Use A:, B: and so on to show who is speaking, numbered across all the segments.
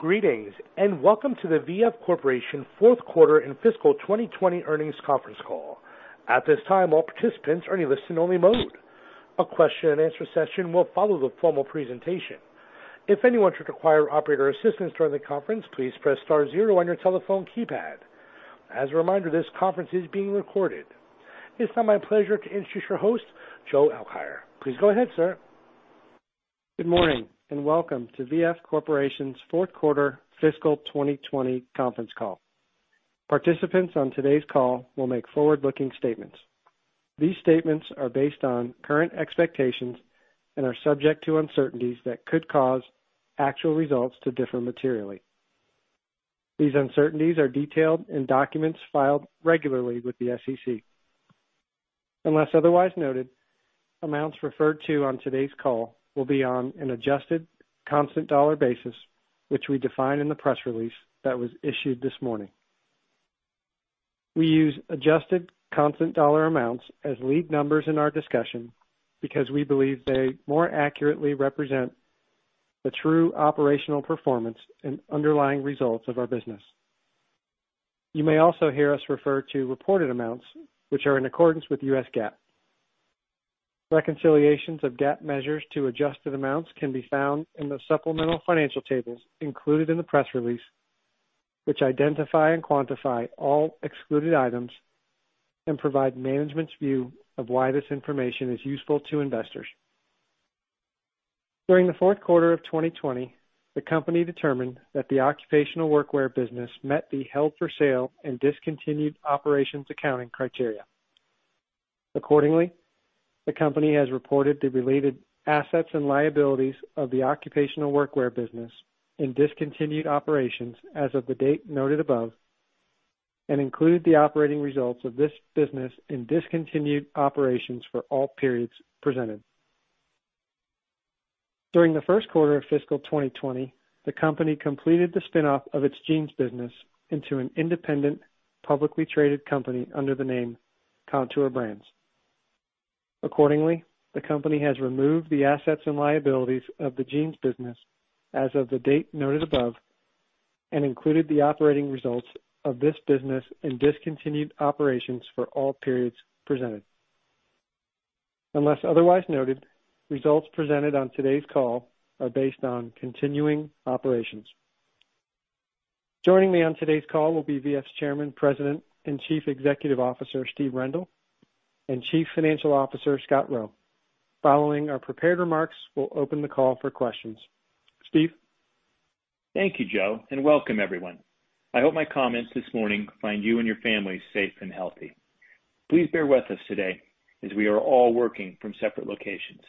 A: Greetings, and welcome to the V.F. Corporation fourth quarter and fiscal 2020 earnings conference call. At this time, all participants are in listen only mode. A question and answer session will follow the formal presentation. If anyone should require operator assistance during the conference, please press star zero on your telephone keypad. As a reminder, this conference is being recorded. It's now my pleasure to introduce your host, Joe Alkire. Please go ahead, sir.
B: Good morning, and welcome to V.F. Corporation's fourth quarter fiscal 2020 conference call. Participants on today's call will make forward-looking statements. These statements are based on current expectations and are subject to uncertainties that could cause actual results to differ materially. These uncertainties are detailed in documents filed regularly with the SEC. Unless otherwise noted, amounts referred to on today's call will be on an adjusted constant dollar basis, which we define in the press release that was issued this morning. We use adjusted constant dollar amounts as lead numbers in our discussion because we believe they more accurately represent the true operational performance and underlying results of our business. You may also hear us refer to reported amounts, which are in accordance with US GAAP. Reconciliations of GAAP measures to adjusted amounts can be found in the supplemental financial tables included in the press release, which identify and quantify all excluded items and provide management's view of why this information is useful to investors. During the fourth quarter of 2020, the company determined that the occupational workwear business met the held for sale and discontinued operations accounting criteria. Accordingly, the company has reported the related assets and liabilities of the occupational workwear business in discontinued operations as of the date noted above, and included the operating results of this business in discontinued operations for all periods presented. During the first quarter of fiscal 2020, the company completed the spin-off of its jeans business into an independent, publicly traded company under the name Kontoor Brands. Accordingly, the company has removed the assets and liabilities of the jeans business as of the date noted above and included the operating results of this business in discontinued operations for all periods presented. Unless otherwise noted, results presented on today's call are based on continuing operations. Joining me on today's call will be VF's Chairman, President, and Chief Executive Officer, Steve Rendle, and Chief Financial Officer, Scott Roe. Following our prepared remarks, we'll open the call for questions. Steve?
C: Thank you, Joe, and welcome everyone. I hope my comments this morning find you and your families safe and healthy. Please bear with us today as we are all working from separate locations.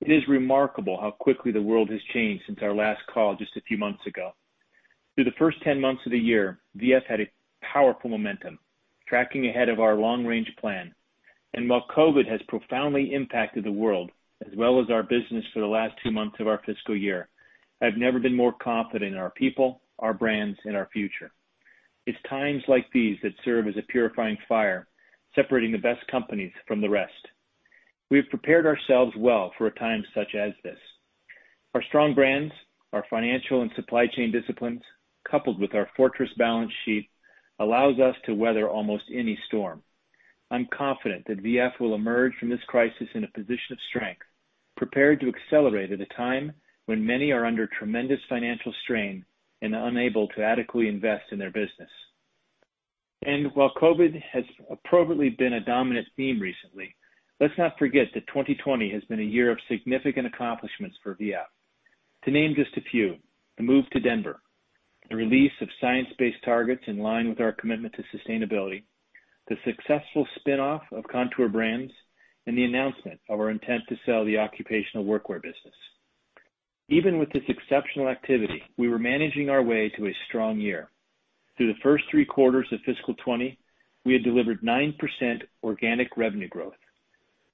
C: It is remarkable how quickly the world has changed since our last call just a few months ago. Through the first 10 months of the year, VF had a powerful momentum, tracking ahead of our long-range plan. While COVID has profoundly impacted the world as well as our business for the last two months of our fiscal year, I've never been more confident in our people, our brands, and our future. It's times like these that serve as a purifying fire, separating the best companies from the rest. We have prepared ourselves well for a time such as this. Our strong brands, our financial and supply chain disciplines, coupled with our fortress balance sheet, allows us to weather almost any storm. I'm confident that VF will emerge from this crisis in a position of strength, prepared to accelerate at a time when many are under tremendous financial strain and are unable to adequately invest in their business. While COVID-19 has appropriately been a dominant theme recently, let's not forget that 2020 has been a year of significant accomplishments for VF. To name just a few, the move to Denver, the release of science-based targets in line with our commitment to sustainability, the successful spin-off of Kontoor Brands, and the announcement of our intent to sell the occupational workwear business. Even with this exceptional activity, we were managing our way to a strong year. Through the first three quarters of fiscal 2020, we had delivered 9% organic revenue growth,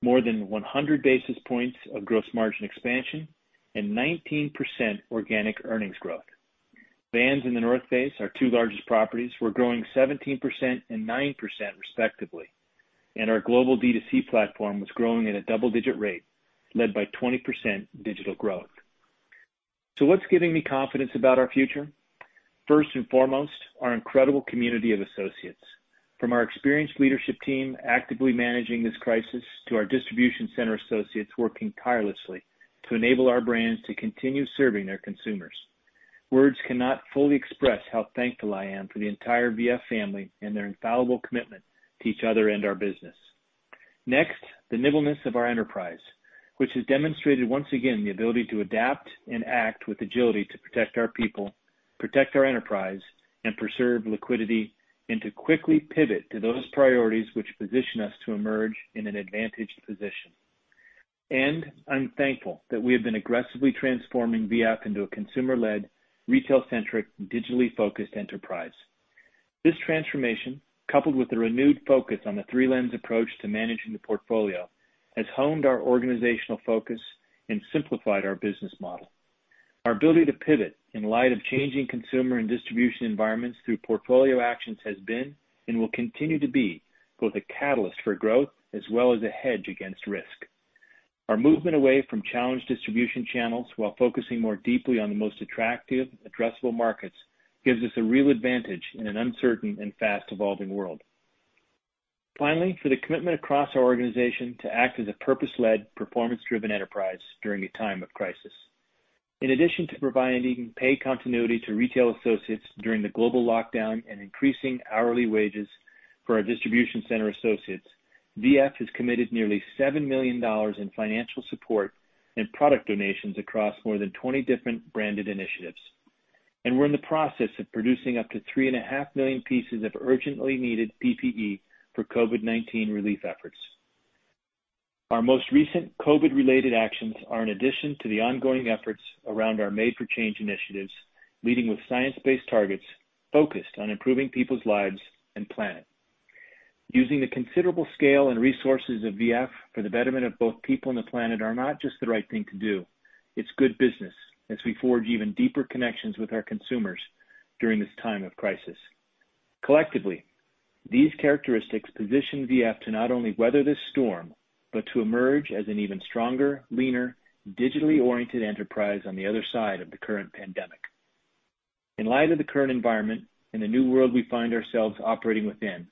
C: more than 100 basis points of gross margin expansion, and 19% organic earnings growth. Vans and The North Face, our two largest properties, were growing 17% and 9% respectively, and our global D2C platform was growing at a double-digit rate, led by 20% digital growth. What's giving me confidence about our future? First and foremost, our incredible community of associates. From our experienced leadership team actively managing this crisis, to our distribution center associates working tirelessly to enable our brands to continue serving their consumers. Words cannot fully express how thankful I am for the entire VF family and their infallible commitment to each other and our business. The nimbleness of our enterprise, which has demonstrated once again the ability to adapt and act with agility to protect our people, protect our enterprise, and preserve liquidity, and to quickly pivot to those priorities which position us to emerge in an advantaged position. I'm thankful that we have been aggressively transforming VF into a consumer-led, retail-centric, digitally focused enterprise. This transformation, coupled with the renewed focus on the three lens approach to managing the portfolio, has honed our organizational focus and simplified our business model. Our ability to pivot in light of changing consumer and distribution environments through portfolio actions has been, and will continue to be, both a catalyst for growth as well as a hedge against risk. Our movement away from challenged distribution channels while focusing more deeply on the most attractive addressable markets gives us a real advantage in an uncertain and fast-evolving world. Finally, for the commitment across our organization to act as a purpose-led, performance-driven enterprise during a time of crisis. In addition to providing pay continuity to retail associates during the global lockdown and increasing hourly wages for our distribution center associates, VF has committed nearly $7 million in financial support and product donations across more than 20 different branded initiatives. We're in the process of producing up to three and a half million pieces of urgently needed PPE for COVID-19 relief efforts. Our most recent COVID-related actions are in addition to the ongoing efforts around our Made for Change initiatives, leading with science-based targets focused on improving people's lives and planet. Using the considerable scale and resources of VF for the betterment of both people and the planet are not just the right thing to do, it's good business as we forge even deeper connections with our consumers during this time of crisis. Collectively, these characteristics position VF to not only weather this storm, but to emerge as an even stronger, leaner, digitally oriented enterprise on the other side of the current pandemic. In light of the current environment and the new world we find ourselves operating within,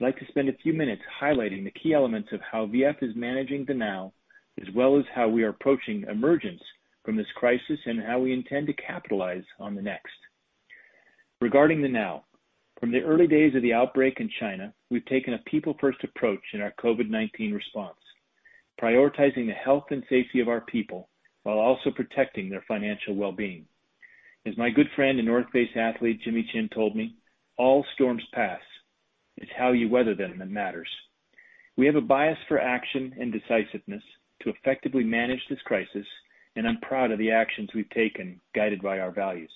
C: I'd like to spend a few minutes highlighting the key elements of how VF is managing the now, as well as how we are approaching emergence from this crisis and how we intend to capitalize on the next. Regarding the now, from the early days of the outbreak in China, we've taken a people-first approach in our COVID-19 response, prioritizing the health and safety of our people while also protecting their financial well-being. As my good friend and North Face athlete Jimmy Chin told me, all storms pass. It's how you weather them that matters. We have a bias for action and decisiveness to effectively manage this crisis, and I'm proud of the actions we've taken, guided by our values.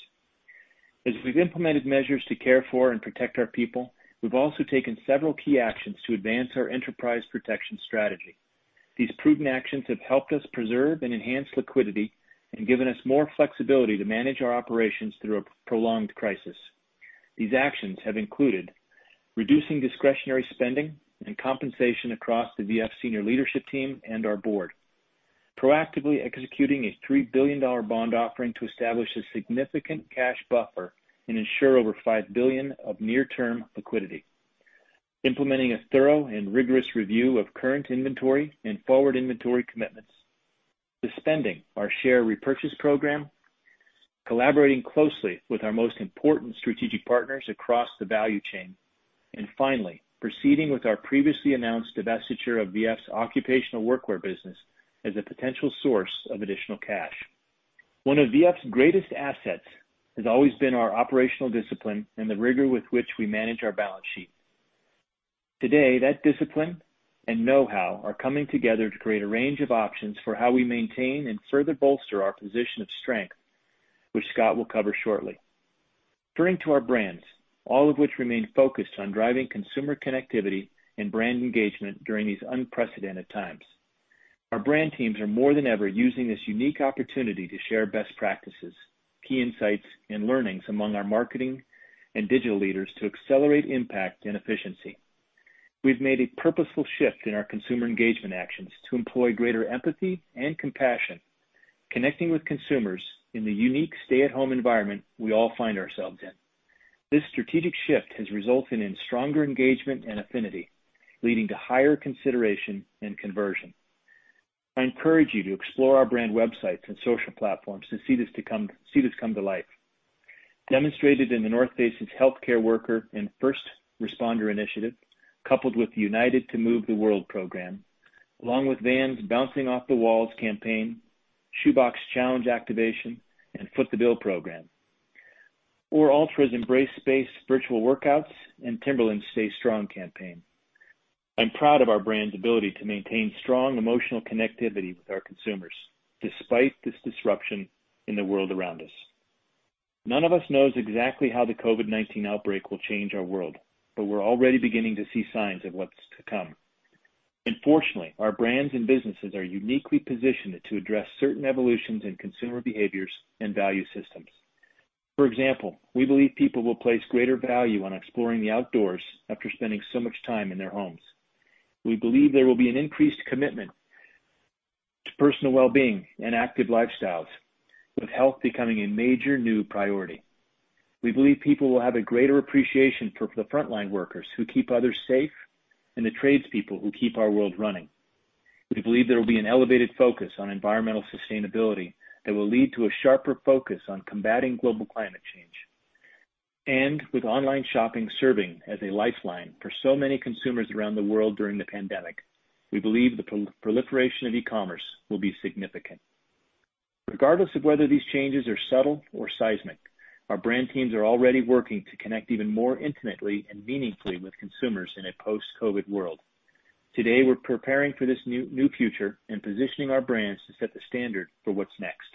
C: As we've implemented measures to care for and protect our people, we've also taken several key actions to advance our enterprise protection strategy. These prudent actions have helped us preserve and enhance liquidity and given us more flexibility to manage our operations through a prolonged crisis. These actions have included reducing discretionary spending and compensation across the VF senior leadership team and our board, proactively executing a $3 billion bond offering to establish a significant cash buffer and ensure over $5 billion of near-term liquidity. Implementing a thorough and rigorous review of current inventory and forward inventory commitments. Suspending our share repurchase program. Collaborating closely with our most important strategic partners across the value chain. Finally, proceeding with our previously announced divestiture of VF's occupational workwear business as a potential source of additional cash. One of VF's greatest assets has always been our operational discipline and the rigor with which we manage our balance sheet. Today, that discipline and know-how are coming together to create a range of options for how we maintain and further bolster our position of strength, which Scott will cover shortly. Turning to our brands, all of which remain focused on driving consumer connectivity and brand engagement during these unprecedented times. Our brand teams are more than ever using this unique opportunity to share best practices, key insights, and learnings among our marketing and digital leaders to accelerate impact and efficiency. We've made a purposeful shift in our consumer engagement actions to employ greater empathy and compassion, connecting with consumers in the unique stay-at-home environment we all find ourselves in. This strategic shift has resulted in stronger engagement and affinity, leading to higher consideration and conversion. I encourage you to explore our brand websites and social platforms to see this come to life. Demonstrated in The North Face's healthcare worker and first responder initiative, coupled with United to Move the World program, along with Vans' Bouncing Off The Walls campaign, Shoe Box Challenge Activation, and Foot The Bill program, or Altra's Embrace Space virtual workouts and Timberland's Stay Strong campaign. I'm proud of our brands' ability to maintain strong emotional connectivity with our consumers, despite this disruption in the world around us. None of us knows exactly how the COVID-19 outbreak will change our world, but we're already beginning to see signs of what's to come. Fortunately, our brands and businesses are uniquely positioned to address certain evolutions in consumer behaviors and value systems. For example, we believe people will place greater value on exploring the outdoors after spending so much time in their homes. We believe there will be an increased commitment to personal well-being and active lifestyles, with health becoming a major new priority. We believe people will have a greater appreciation for the frontline workers who keep others safe and the tradespeople who keep our world running. We believe there will be an elevated focus on environmental sustainability that will lead to a sharper focus on combating global climate change. With online shopping serving as a lifeline for so many consumers around the world during the pandemic, we believe the proliferation of e-commerce will be significant. Regardless of whether these changes are subtle or seismic, our brand teams are already working to connect even more intimately and meaningfully with consumers in a post-COVID-19 world. Today, we're preparing for this new future and positioning our brands to set the standard for what's next.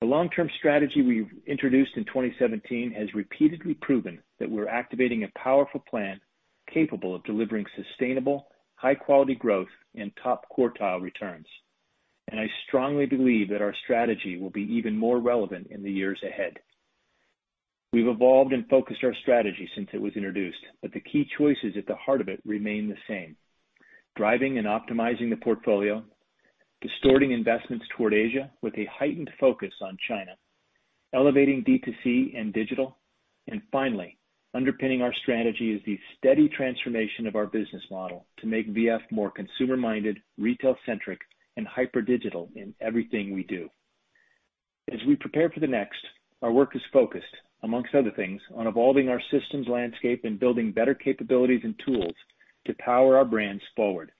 C: The long-term strategy we introduced in 2017 has repeatedly proven that we're activating a powerful plan capable of delivering sustainable, high-quality growth and top quartile returns. I strongly believe that our strategy will be even more relevant in the years ahead. We've evolved and focused our strategy since it was introduced, but the key choices at the heart of it remain the same. Driving and optimizing the portfolio, distorting investments toward Asia with a heightened focus on China, elevating D2C and digital, and finally, underpinning our strategy is the steady transformation of our business model to make VF more consumer-minded, retail-centric, and hyper-digital in everything we do. As we prepare for the next, our work is focused, amongst other things, on evolving our systems landscape and building better capabilities and tools to power our brands forward.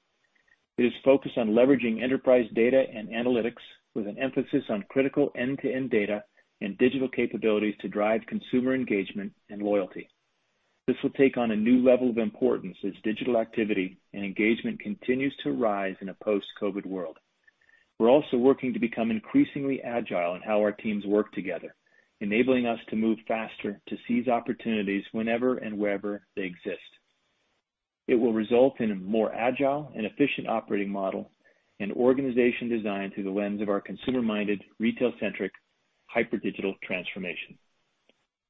C: It is focused on leveraging enterprise data and analytics with an emphasis on critical end-to-end data and digital capabilities to drive consumer engagement and loyalty. This will take on a new level of importance as digital activity and engagement continues to rise in a post-COVID-19 world. We're also working to become increasingly agile in how our teams work together, enabling us to move faster to seize opportunities whenever and wherever they exist. It will result in a more agile and efficient operating model and organization design through the lens of our consumer-minded, retail-centric, hyper-digital transformation.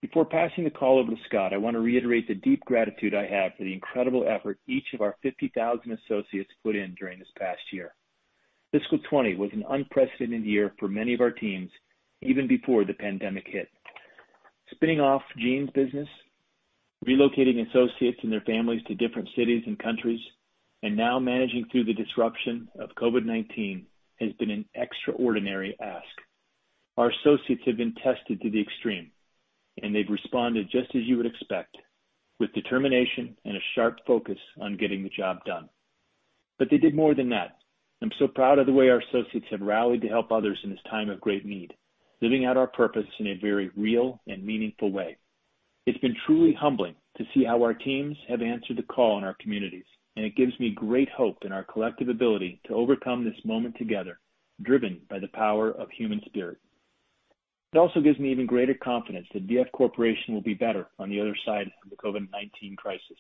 C: Before passing the call over to Scott, I want to reiterate the deep gratitude I have for the incredible effort each of our 50,000 associates put in during this past year. Fiscal 2020 was an unprecedented year for many of our teams, even before the pandemic hit. Spinning off jeans business, relocating associates and their families to different cities and countries, and now managing through the disruption of COVID-19 has been an extraordinary ask. Our associates have been tested to the extreme, and they've responded just as you would expect, with determination and a sharp focus on getting the job done. They did more than that. I'm so proud of the way our associates have rallied to help others in this time of great need, living out our purpose in a very real and meaningful way. It's been truly humbling to see how our teams have answered the call in our communities, and it gives me great hope in our collective ability to overcome this moment together, driven by the power of human spirit. It also gives me even greater confidence that VF Corporation will be better on the other side of the COVID-19 crisis.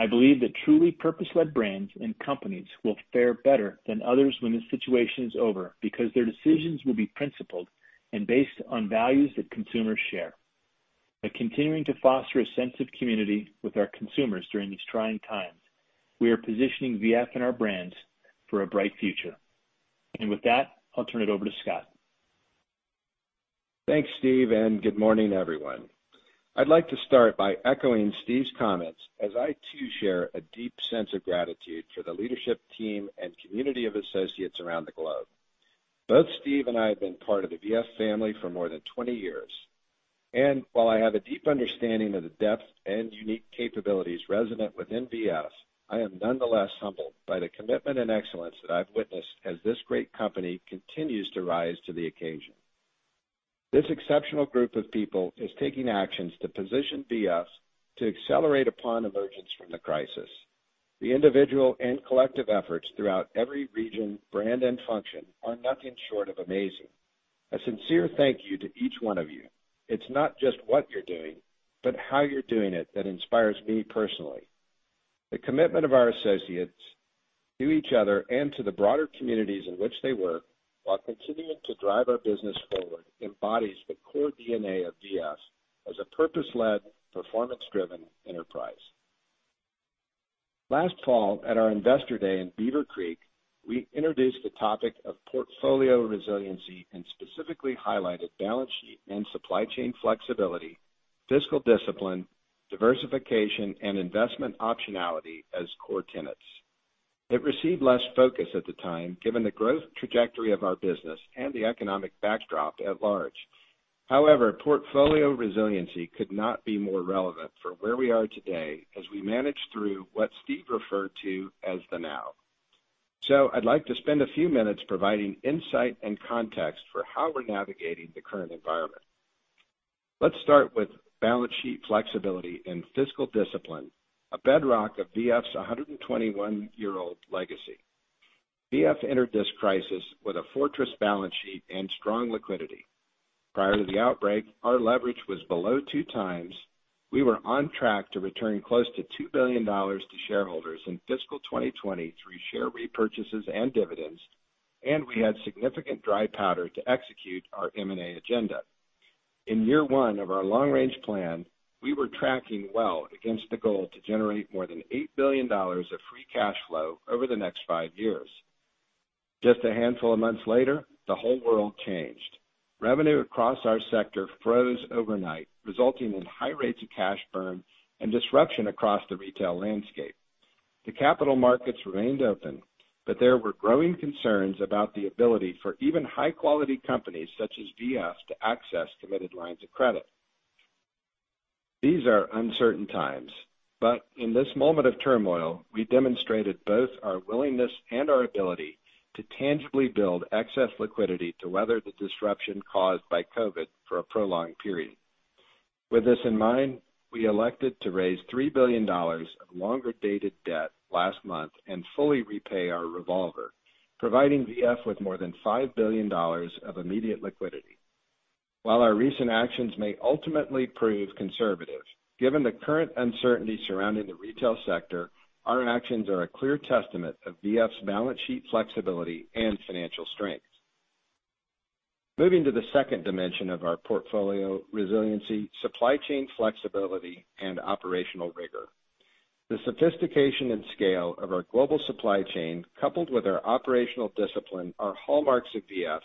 C: I believe that truly purpose-led brands and companies will fare better than others when the situation is over because their decisions will be principled and based on values that consumers share. By continuing to foster a sense of community with our consumers during these trying times, we are positioning VF and our brands for a bright future. With that, I'll turn it over to Scott.
D: Thanks, Steve. Good morning, everyone. I'd like to start by echoing Steve's comments as I too share a deep sense of gratitude for the leadership team and community of associates around the globe. Both Steve and I have been part of the VF family for more than 20 years. While I have a deep understanding of the depth and unique capabilities resonant within VF, I am nonetheless humbled by the commitment and excellence that I've witnessed as this great company continues to rise to the occasion. This exceptional group of people is taking actions to position VF to accelerate upon emergence from the crisis. The individual and collective efforts throughout every region, brand, and function are nothing short of amazing. A sincere thank you to each one of you. It's not just what you're doing, but how you're doing it that inspires me personally. The commitment of our associates to each other and to the broader communities in which they work while continuing to drive our business forward embodies the core DNA of VF as a purpose-led, performance-driven enterprise. Last fall, at our Investor Day in Beaver Creek, we introduced the topic of portfolio resiliency and specifically highlighted balance sheet and supply chain flexibility, fiscal discipline, diversification, and investment optionality as core tenets. It received less focus at the time, given the growth trajectory of our business and the economic backdrop at large. However, portfolio resiliency could not be more relevant for where we are today as we manage through what Steve referred to as the now. I'd like to spend a few minutes providing insight and context for how we're navigating the current environment. Let's start with balance sheet flexibility and fiscal discipline, a bedrock of VF's 121-year-old legacy. VF entered this crisis with a fortress balance sheet and strong liquidity. Prior to the outbreak, our leverage was below two times. We were on track to return close to $2 billion to shareholders in fiscal 2020 through share repurchases and dividends, and we had significant dry powder to execute our M&A agenda. In year one of our long-range plan, we were tracking well against the goal to generate more than $8 billion of free cash flow over the next five years. Just a handful of months later, the whole world changed. Revenue across our sector froze overnight, resulting in high rates of cash burn and disruption across the retail landscape. The capital markets remained open, but there were growing concerns about the ability for even high-quality companies such as VF to access committed lines of credit. These are uncertain times, but in this moment of turmoil, we demonstrated both our willingness and our ability to tangibly build excess liquidity to weather the disruption caused by COVID-19 for a prolonged period. With this in mind, we elected to raise $3 billion of longer-dated debt last month and fully repay our revolver, providing VF with more than $5 billion of immediate liquidity. While our recent actions may ultimately prove conservative, given the current uncertainty surrounding the retail sector, our actions are a clear testament of VF's balance sheet flexibility and financial strength. Moving to the second dimension of our portfolio resiliency, supply chain flexibility and operational rigor. The sophistication and scale of our global supply chain, coupled with our operational discipline, are hallmarks of VF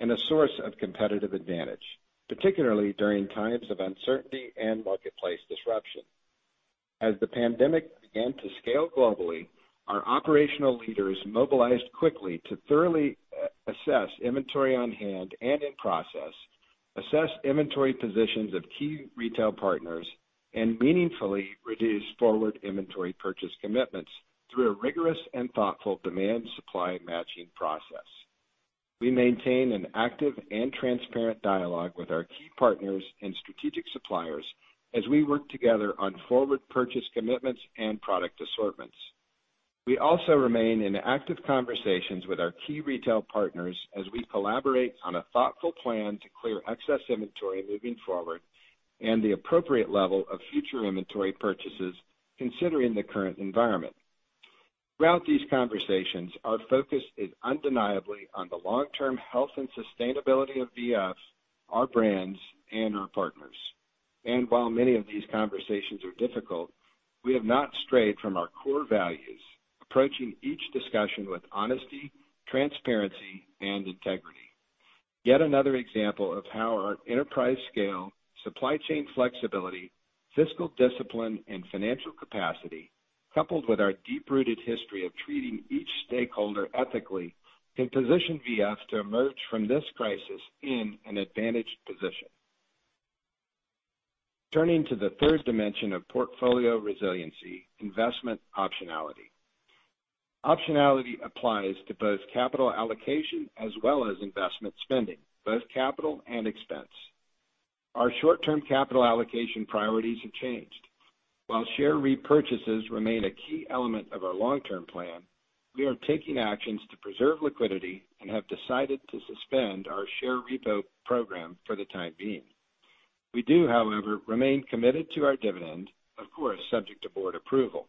D: and a source of competitive advantage, particularly during times of uncertainty and marketplace disruption. As the pandemic began to scale globally, our operational leaders mobilized quickly to thoroughly assess inventory on hand and in process, assess inventory positions of key retail partners, and meaningfully reduce forward inventory purchase commitments through a rigorous and thoughtful demand-supply matching process. We maintain an active and transparent dialogue with our key partners and strategic suppliers as we work together on forward purchase commitments and product assortments. We also remain in active conversations with our key retail partners as we collaborate on a thoughtful plan to clear excess inventory moving forward and the appropriate level of future inventory purchases considering the current environment. Throughout these conversations, our focus is undeniably on the long-term health and sustainability of VF, our brands, and our partners. While many of these conversations are difficult, we have not strayed from our core values, approaching each discussion with honesty, transparency, and integrity. Yet another example of how our enterprise scale, supply chain flexibility, fiscal discipline, and financial capacity, coupled with our deep-rooted history of treating each stakeholder ethically, can position VF to emerge from this crisis in an advantaged position. Turning to the third dimension of portfolio resiliency, investment optionality. Optionality applies to both capital allocation as well as investment spending, both capital and expense. Our short-term capital allocation priorities have changed. While share repurchases remain a key element of our long-term plan, we are taking actions to preserve liquidity and have decided to suspend our share repo program for the time being. We do, however, remain committed to our dividend, of course, subject to board approval.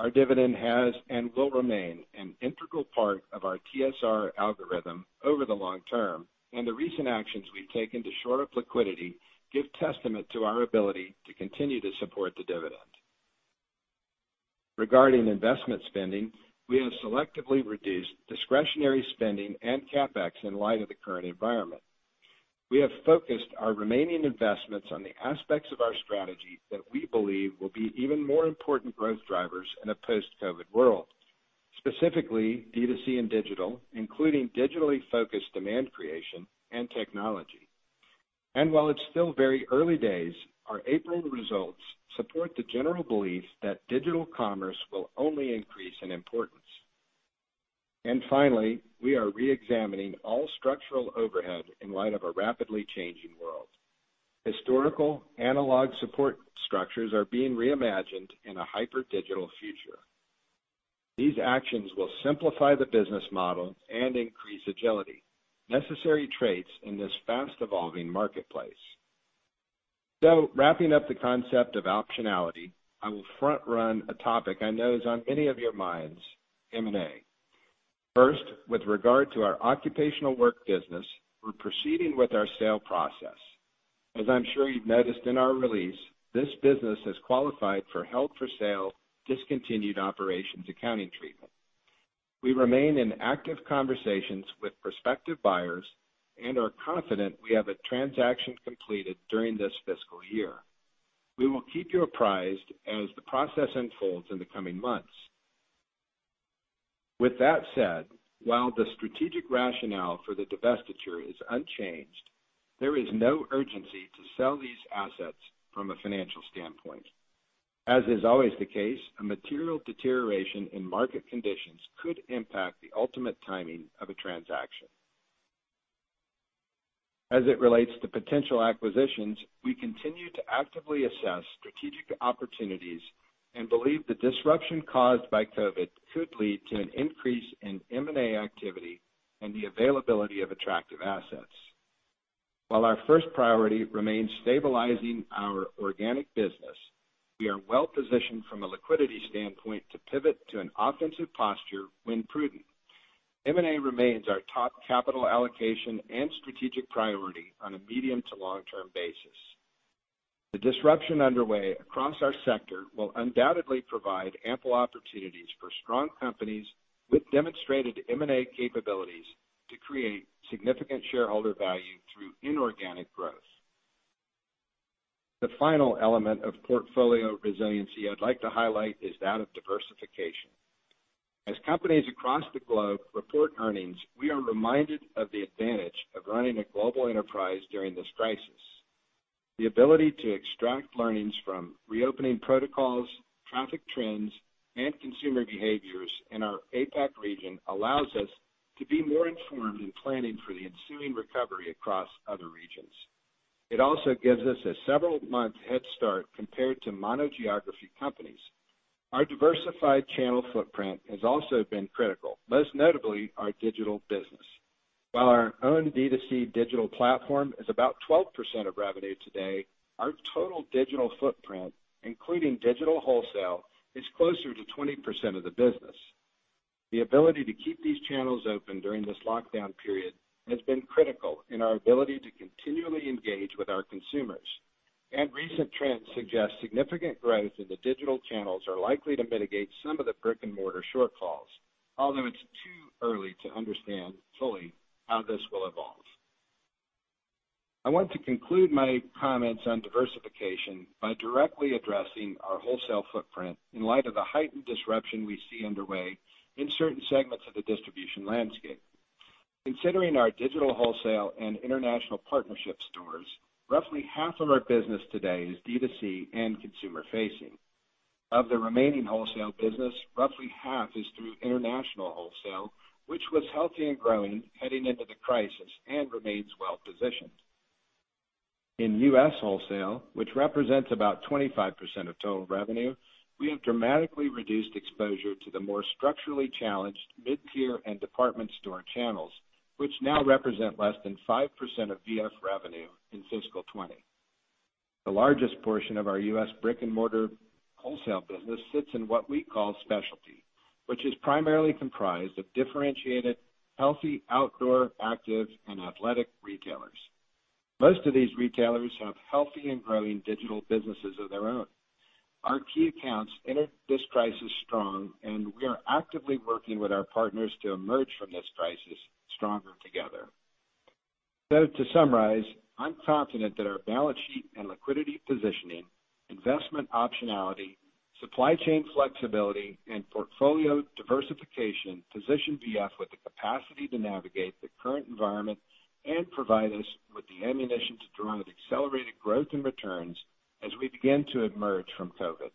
D: Our dividend has and will remain an integral part of our TSR algorithm over the long term, and the recent actions we've taken to shore up liquidity give testament to our ability to continue to support the dividend. Regarding investment spending, we have selectively reduced discretionary spending and CapEx in light of the current environment. We have focused our remaining investments on the aspects of our strategy that we believe will be even more important growth drivers in a post-COVID world, specifically D2C and digital, including digitally focused demand creation and technology. While it's still very early days, our April results support the general belief that digital commerce will only increase in importance. Finally, we are re-examining all structural overhead in light of a rapidly changing world. Historical analog support structures are being reimagined in a hyper-digital future. These actions will simplify the business model and increase agility, necessary traits in this fast-evolving marketplace. Wrapping up the concept of optionality, I will front-run a topic I know is on many of your minds, M&A. First, with regard to our occupational work business, we're proceeding with our sale process. As I'm sure you've noticed in our release, this business has qualified for held-for-sale discontinued operations accounting treatment. We remain in active conversations with prospective buyers and are confident we have a transaction completed during this fiscal year. We will keep you apprised as the process unfolds in the coming months. With that said, while the strategic rationale for the divestiture is unchanged, there is no urgency to sell these assets from a financial standpoint. As is always the case, a material deterioration in market conditions could impact the ultimate timing of a transaction. As it relates to potential acquisitions, we continue to actively assess strategic opportunities and believe the disruption caused by COVID could lead to an increase in M&A activity and the availability of attractive assets. While our first priority remains stabilizing our organic business, we are well positioned from a liquidity standpoint to pivot to an offensive posture when prudent. M&A remains our top capital allocation and strategic priority on a medium to long-term basis. The disruption underway across our sector will undoubtedly provide ample opportunities for strong companies with demonstrated M&A capabilities to create significant shareholder value through inorganic growth. The final element of portfolio resiliency I'd like to highlight is that of diversification. As companies across the globe report earnings, we are reminded of the advantage of running a global enterprise during this crisis. The ability to extract learnings from reopening protocols, traffic trends, and consumer behaviors in our APAC region allows us to be more informed in planning for the ensuing recovery across other regions. It also gives us a several-month head start compared to mono-geography companies. Our diversified channel footprint has also been critical, most notably our digital business. While our own D2C digital platform is about 12% of revenue today, our total digital footprint, including digital wholesale, is closer to 20% of the business. The ability to keep these channels open during this lockdown period has been critical in our ability to continually engage with our consumers. Recent trends suggest significant growth in the digital channels are likely to mitigate some of the brick-and-mortar shortfalls, although it's too early to understand fully how this will evolve. I want to conclude my comments on diversification by directly addressing our wholesale footprint in light of the heightened disruption we see underway in certain segments of the distribution landscape. Considering our digital wholesale and international partnership stores, roughly half of our business today is D2C and consumer facing. Of the remaining wholesale business, roughly half is through international wholesale, which was healthy and growing heading into the crisis and remains well-positioned. In U.S. wholesale, which represents about 25% of total revenue, we have dramatically reduced exposure to the more structurally challenged mid-tier and department store channels, which now represent less than 5% of VF revenue in fiscal 2020. The largest portion of our U.S. brick-and-mortar wholesale business sits in what we call specialty, which is primarily comprised of differentiated, healthy, outdoor, active, and athletic retailers. Most of these retailers have healthy and growing digital businesses of their own. Our key accounts entered this crisis strong, and we are actively working with our partners to emerge from this crisis stronger together. To summarize, I'm confident that our balance sheet and liquidity positioning, investment optionality, supply chain flexibility, and portfolio diversification position VF with the capacity to navigate the current environment and provide us with the ammunition to drive accelerated growth and returns as we begin to emerge from COVID-19.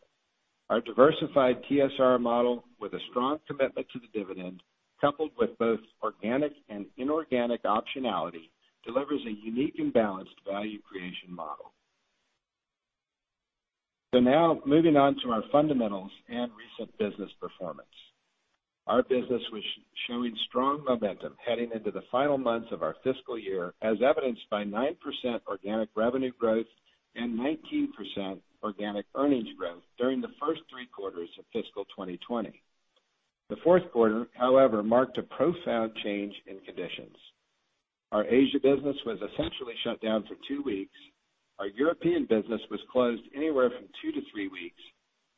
D: Our diversified TSR model, with a strong commitment to the dividend, coupled with both organic and inorganic optionality, delivers a unique and balanced value creation model. Now moving on to our fundamentals and recent business performance. Our business was showing strong momentum heading into the final months of our fiscal year, as evidenced by 9% organic revenue growth and 19% organic earnings growth during the first three quarters of fiscal 2020. The fourth quarter, however, marked a profound change in conditions. Our Asia business was essentially shut down for two weeks, our European business was closed anywhere from two to three weeks,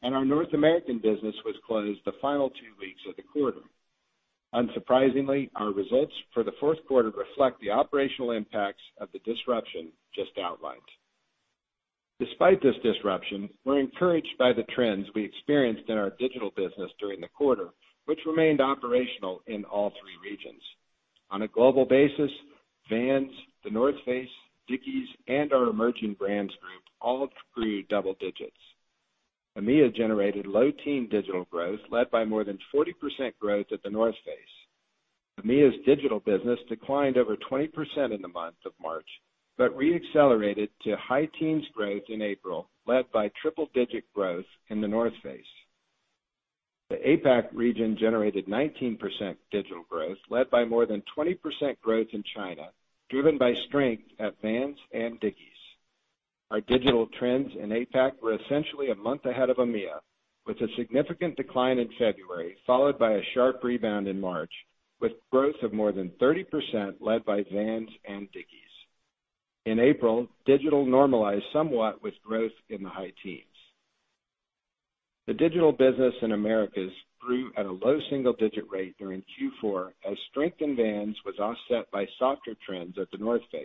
D: and our North American business was closed the final two weeks of the quarter. Unsurprisingly, our results for the fourth quarter reflect the operational impacts of the disruption just outlined. Despite this disruption, we're encouraged by the trends we experienced in our digital business during the quarter, which remained operational in all three regions. On a global basis, Vans, The North Face, Dickies, and our emerging brands group all grew double digits. EMEA generated low teen digital growth, led by more than 40% growth at The North Face. EMEA's digital business declined over 20% in the month of March, but re-accelerated to high teens growth in April, led by triple-digit growth in The North Face. The APAC region generated 19% digital growth, led by more than 20% growth in China, driven by strength at Vans and Dickies. Our digital trends in APAC were essentially a month ahead of EMEA, with a significant decline in February, followed by a sharp rebound in March, with growth of more than 30%, led by Vans and Dickies. In April, digital normalized somewhat with growth in the high teens. The digital business in Americas grew at a low single-digit rate during Q4, as strength in Vans was offset by softer trends at The North Face.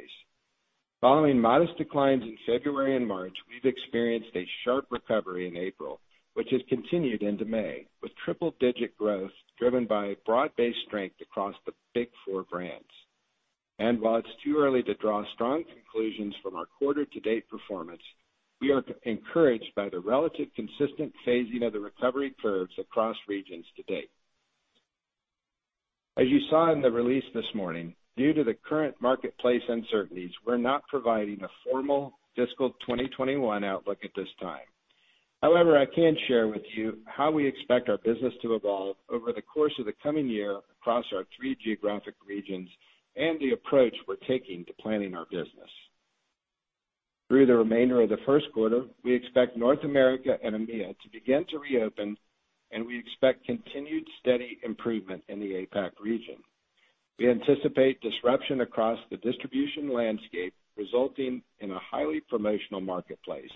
D: Following modest declines in February and March, we've experienced a sharp recovery in April, which has continued into May, with triple-digit growth driven by broad-based strength across the big 4 brands. While it's too early to draw strong conclusions from our quarter to date performance, we are encouraged by the relative consistent phasing of the recovery curves across regions to date. As you saw in the release this morning, due to the current marketplace uncertainties, we're not providing a formal fiscal 2021 outlook at this time. However, I can share with you how we expect our business to evolve over the course of the coming year across our three geographic regions and the approach we're taking to planning our business. Through the remainder of the first quarter, we expect North America and EMEA to begin to reopen, and we expect continued steady improvement in the APAC region. We anticipate disruption across the distribution landscape, resulting in a highly promotional marketplace.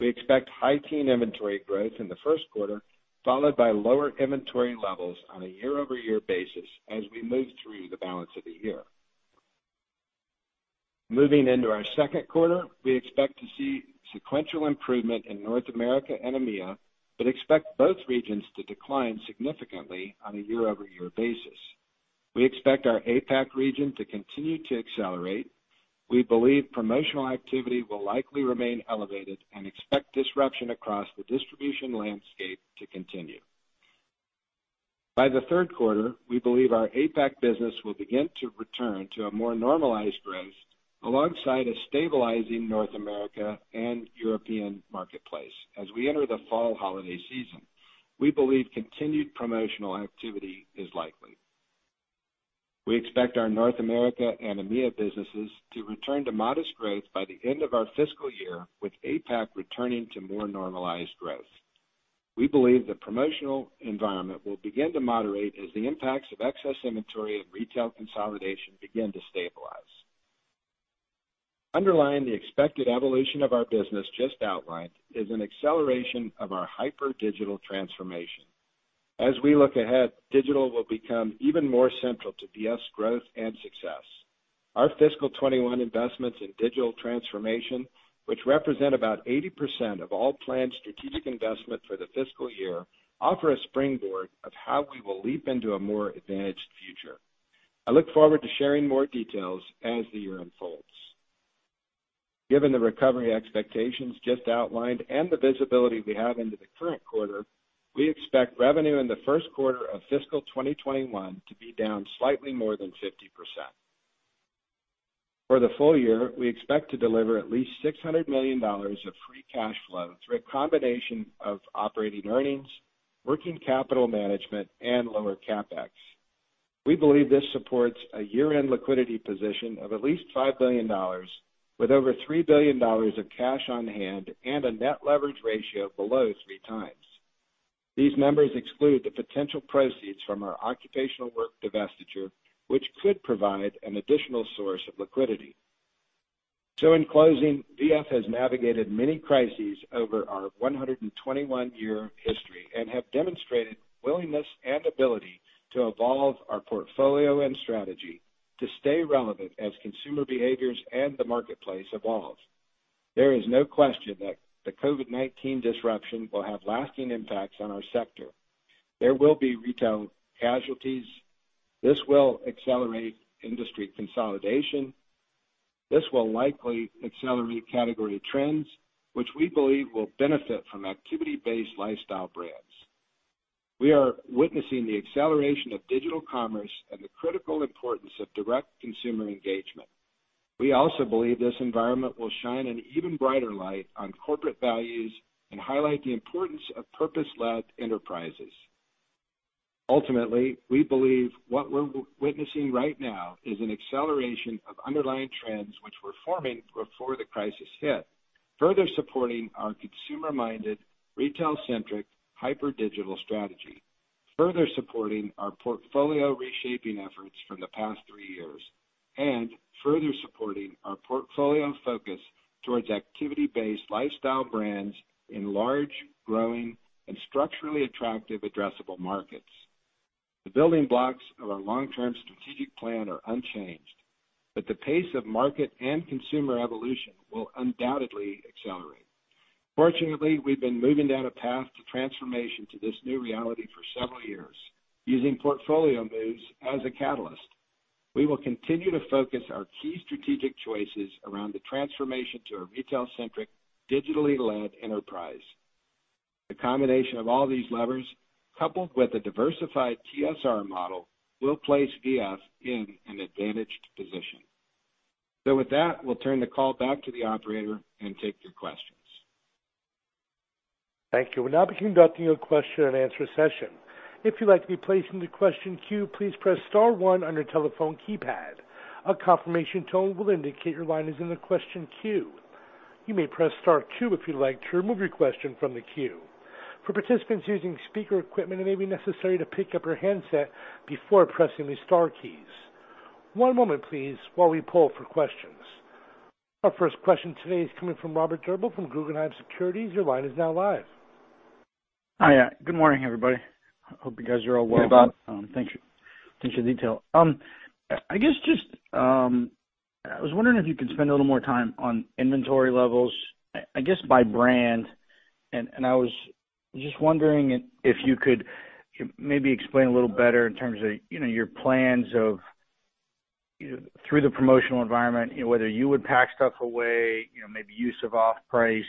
D: We expect high teen inventory growth in the first quarter, followed by lower inventory levels on a year-over-year basis as we move through the balance of the year. Moving into our second quarter, we expect to see sequential improvement in North America and EMEA, but expect both regions to decline significantly on a year-over-year basis. We expect our APAC region to continue to accelerate. We believe promotional activity will likely remain elevated and expect disruption across the distribution landscape to continue. By the third quarter, we believe our APAC business will begin to return to a more normalized growth alongside a stabilizing North America and European marketplace as we enter the fall holiday season. We believe continued promotional activity is likely. We expect our North America and EMEA businesses to return to modest growth by the end of our fiscal year, with APAC returning to more normalized growth. We believe the promotional environment will begin to moderate as the impacts of excess inventory and retail consolidation begin to stabilize. Underlying the expected evolution of our business just outlined is an acceleration of our hyper digital transformation. As we look ahead, digital will become even more central to VF's growth and success. Our fiscal 2021 investments in digital transformation, which represent about 80% of all planned strategic investment for the fiscal year, offer a springboard of how we will leap into a more advantaged future. I look forward to sharing more details as the year unfolds. Given the recovery expectations just outlined and the visibility we have into the current quarter, we expect revenue in the first quarter of fiscal 2021 to be down slightly more than 50%. For the full year, we expect to deliver at least $600 million of free cash flow through a combination of operating earnings, working capital management, and lower CapEx. We believe this supports a year-end liquidity position of at least $5 billion, with over $3 billion of cash on hand and a net leverage ratio below three times. These numbers exclude the potential proceeds from our occupational work divestiture, which could provide an additional source of liquidity. In closing, VF has navigated many crises over our 121-year history and have demonstrated willingness and ability to evolve our portfolio and strategy to stay relevant as consumer behaviors and the marketplace evolve. There is no question that the COVID-19 disruption will have lasting impacts on our sector. There will be retail casualties. This will accelerate industry consolidation. This will likely accelerate category trends, which we believe will benefit from activity-based lifestyle brands. We are witnessing the acceleration of digital commerce and the critical importance of direct consumer engagement. We also believe this environment will shine an even brighter light on corporate values and highlight the importance of purpose-led enterprises. Ultimately, we believe what we're witnessing right now is an acceleration of underlying trends which were forming before the crisis hit, further supporting our consumer-minded, retail-centric, hyper digital strategy. Further supporting our portfolio reshaping efforts from the past three years, and further supporting our portfolio focus towards activity-based lifestyle brands in large, growing, and structurally attractive addressable markets. The building blocks of our long-term strategic plan are unchanged, but the pace of market and consumer evolution will undoubtedly accelerate. Fortunately, we've been moving down a path to transformation to this new reality for several years using portfolio moves as a catalyst. We will continue to focus our key strategic choices around the transformation to a retail-centric, digitally led enterprise. The combination of all these levers, coupled with a diversified TSR model, will place VF in an advantaged position. With that, we'll turn the call back to the operator and take your questions.
A: Thank you. We'll now be conducting a question and answer session. If you'd like to be placed into question queue, please press star one on your telephone keypad. A confirmation tone will indicate your line is in the question queue. You may press star two if you'd like to remove your question from the queue. For participants using speaker equipment, it may be necessary to pick up your handset before pressing the star keys. One moment, please, while we pull for questions. Our first question today is coming from Robert Drbul from Guggenheim Securities. Your line is now live.
E: Hi. Good morning, everybody. Hope you guys are all well.
D: Hey, Bob.
E: Thanks for the detail. I was wondering if you could spend a little more time on inventory levels, I guess, by brand. I was just wondering if you could maybe explain a little better in terms of your plans of through the promotional environment, whether you would pack stuff away, maybe use of off-price,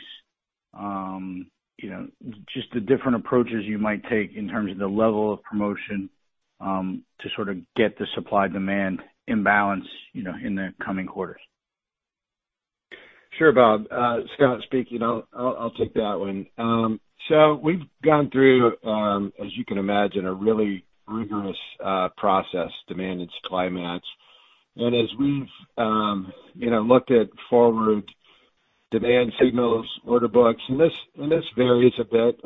E: just the different approaches you might take in terms of the level of promotion, to sort of get the supply-demand imbalance in the coming quarters.
D: Sure, Bob. Scott speaking. I'll take that one. We've gone through, as you can imagine, a really rigorous process, demand and supply match. As we've looked at forward demand signals, order books, and this varies a bit,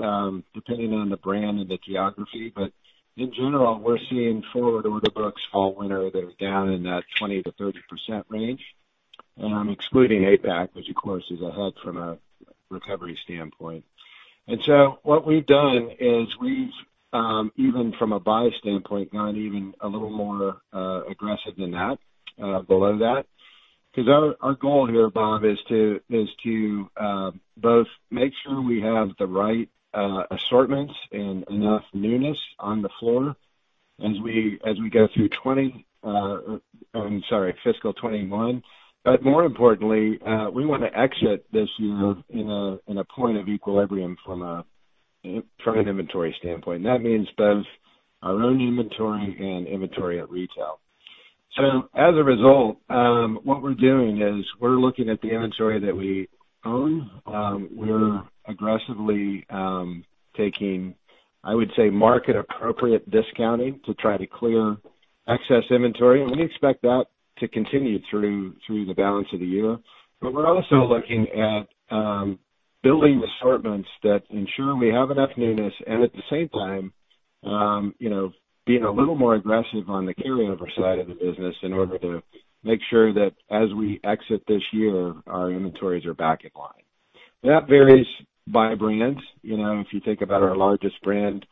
D: depending on the brand and the geography, but in general, we're seeing forward order books fall/winter, they're down in that 20%-30% range, excluding APAC, which of course is ahead from a recovery standpoint. What we've done is we've, even from a buy standpoint, gone even a little more aggressive than that, below that. Our goal here, Bob, is to both make sure we have the right assortments and enough newness on the floor as we go through fiscal 2021. More importantly, we want to exit this year in a point of equilibrium from an inventory standpoint. That means both our own inventory and inventory at retail. As a result, what we're doing is we're looking at the inventory that we own. We're aggressively taking, I would say, market appropriate discounting to try to clear excess inventory, and we expect that to continue through the balance of the year. We're also looking at building assortments that ensure we have enough newness and at the same time being a little more aggressive on the carryover side of the business in order to make sure that as we exit this year, our inventories are back in line. That varies by brand. If you think about our largest brand,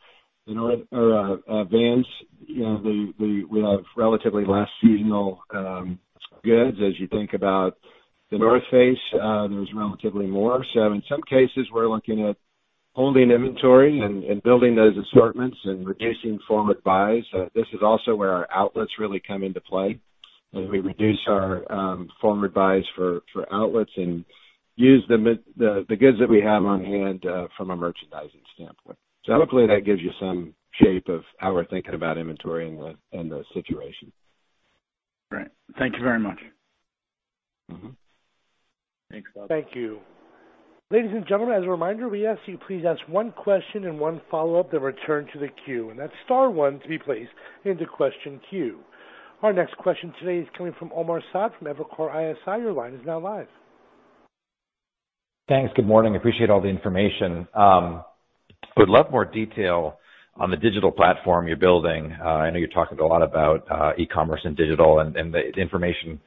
D: Vans, we have relatively less seasonal goods. As you think about The North Face, there's relatively more. In some cases, we're looking at holding inventory and building those assortments and reducing forward buys. This is also where our outlets really come into play, as we reduce our forward buys for outlets and use the goods that we have on hand from a merchandising standpoint. Hopefully that gives you some shape of how we're thinking about inventory and the situation.
E: Right. Thank you very much.
C: Thanks, Bob.
A: Thank you. Ladies and gentlemen, as a reminder, we ask you please ask one question and one follow-up, then return to the queue. That's star one to be placed into question queue. Our next question today is coming from Omar Saad from Evercore ISI. Your line is now live.
F: Thanks. Good morning. Appreciate all the information. Would love more detail on the digital platform you're building. I know you're talking a lot about e-commerce and digital and the information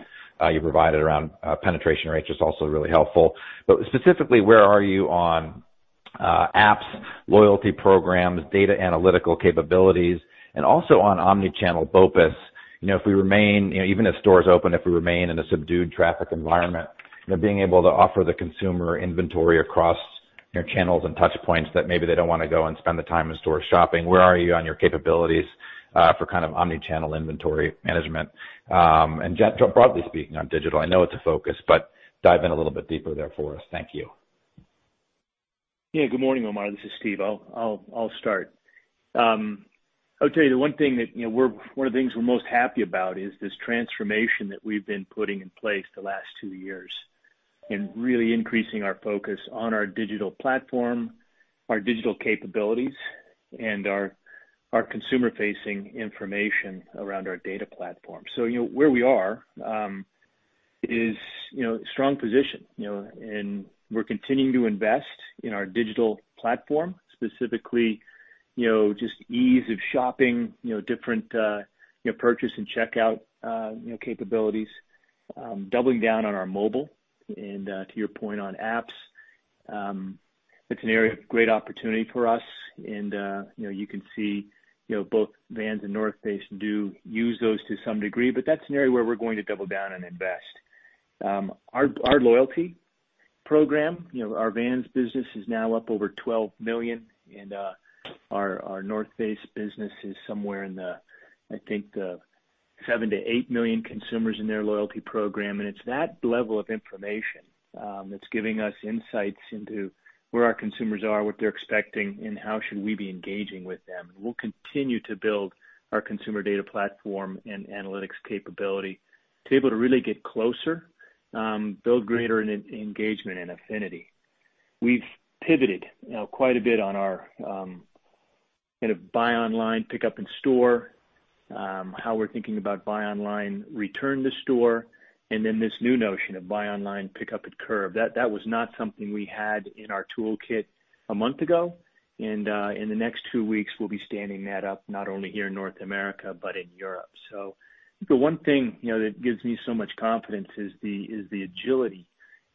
F: you provided around penetration rates is also really helpful. Specifically, where are you on apps, loyalty programs, data analytical capabilities, and also on omni-channel BOPIS. Even if stores open, if we remain in a subdued traffic environment, being able to offer the consumer inventory across their channels and touch points that maybe they don't want to go and spend the time in store shopping. Where are you on your capabilities for kind of omni-channel inventory management? Broadly speaking on digital, I know it's a focus, but dive in a little bit deeper there for us. Thank you.
C: Yeah. Good morning, Omar. This is Steve. I'll start. I'll tell you one of the things we're most happy about is this transformation that we've been putting in place the last two years, and really increasing our focus on our digital platform, our digital capabilities, and our consumer-facing information around our data platform. Where we are is strong position. We're continuing to invest in our digital platform, specifically, just ease of shopping, different purchase and checkout capabilities, doubling down on our mobile and to your point on apps. It's an area of great opportunity for us. You can see both Vans and The North Face do use those to some degree, but that's an area where we're going to double down and invest. Our loyalty program, our Vans business is now up over 12 million and our North Face business is somewhere in the, I think the 7 million- 8 million consumers in their loyalty program. It's that level of information that's giving us insights into where our consumers are, what they're expecting, and how should we be engaging with them. We'll continue to build our consumer data platform and analytics capability to be able to really get closer, build greater engagement and affinity. We've pivoted quite a bit on our buy online, pick up in store, how we're thinking about buy online, return to store, and then this new notion of buy online, pick up at curb. That was not something we had in our toolkit a month ago. In the next two weeks, we'll be standing that up not only here in North America, but in Europe. I think the one thing that gives me so much confidence is the agility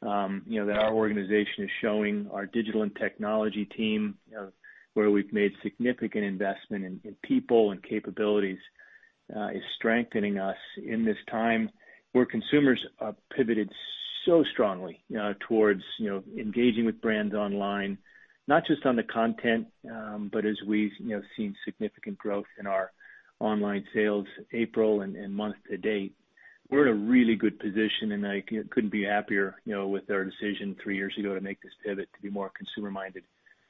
C: that our organization is showing our Digital and Technology team, where we've made significant investment in people and capabilities, is strengthening us in this time where consumers have pivoted so strongly towards engaging with brands online, not just on the content, but as we've seen significant growth in our online sales, April and month to date. We're in a really good position, and I couldn't be happier with our decision three years ago to make this pivot to be more consumer-minded,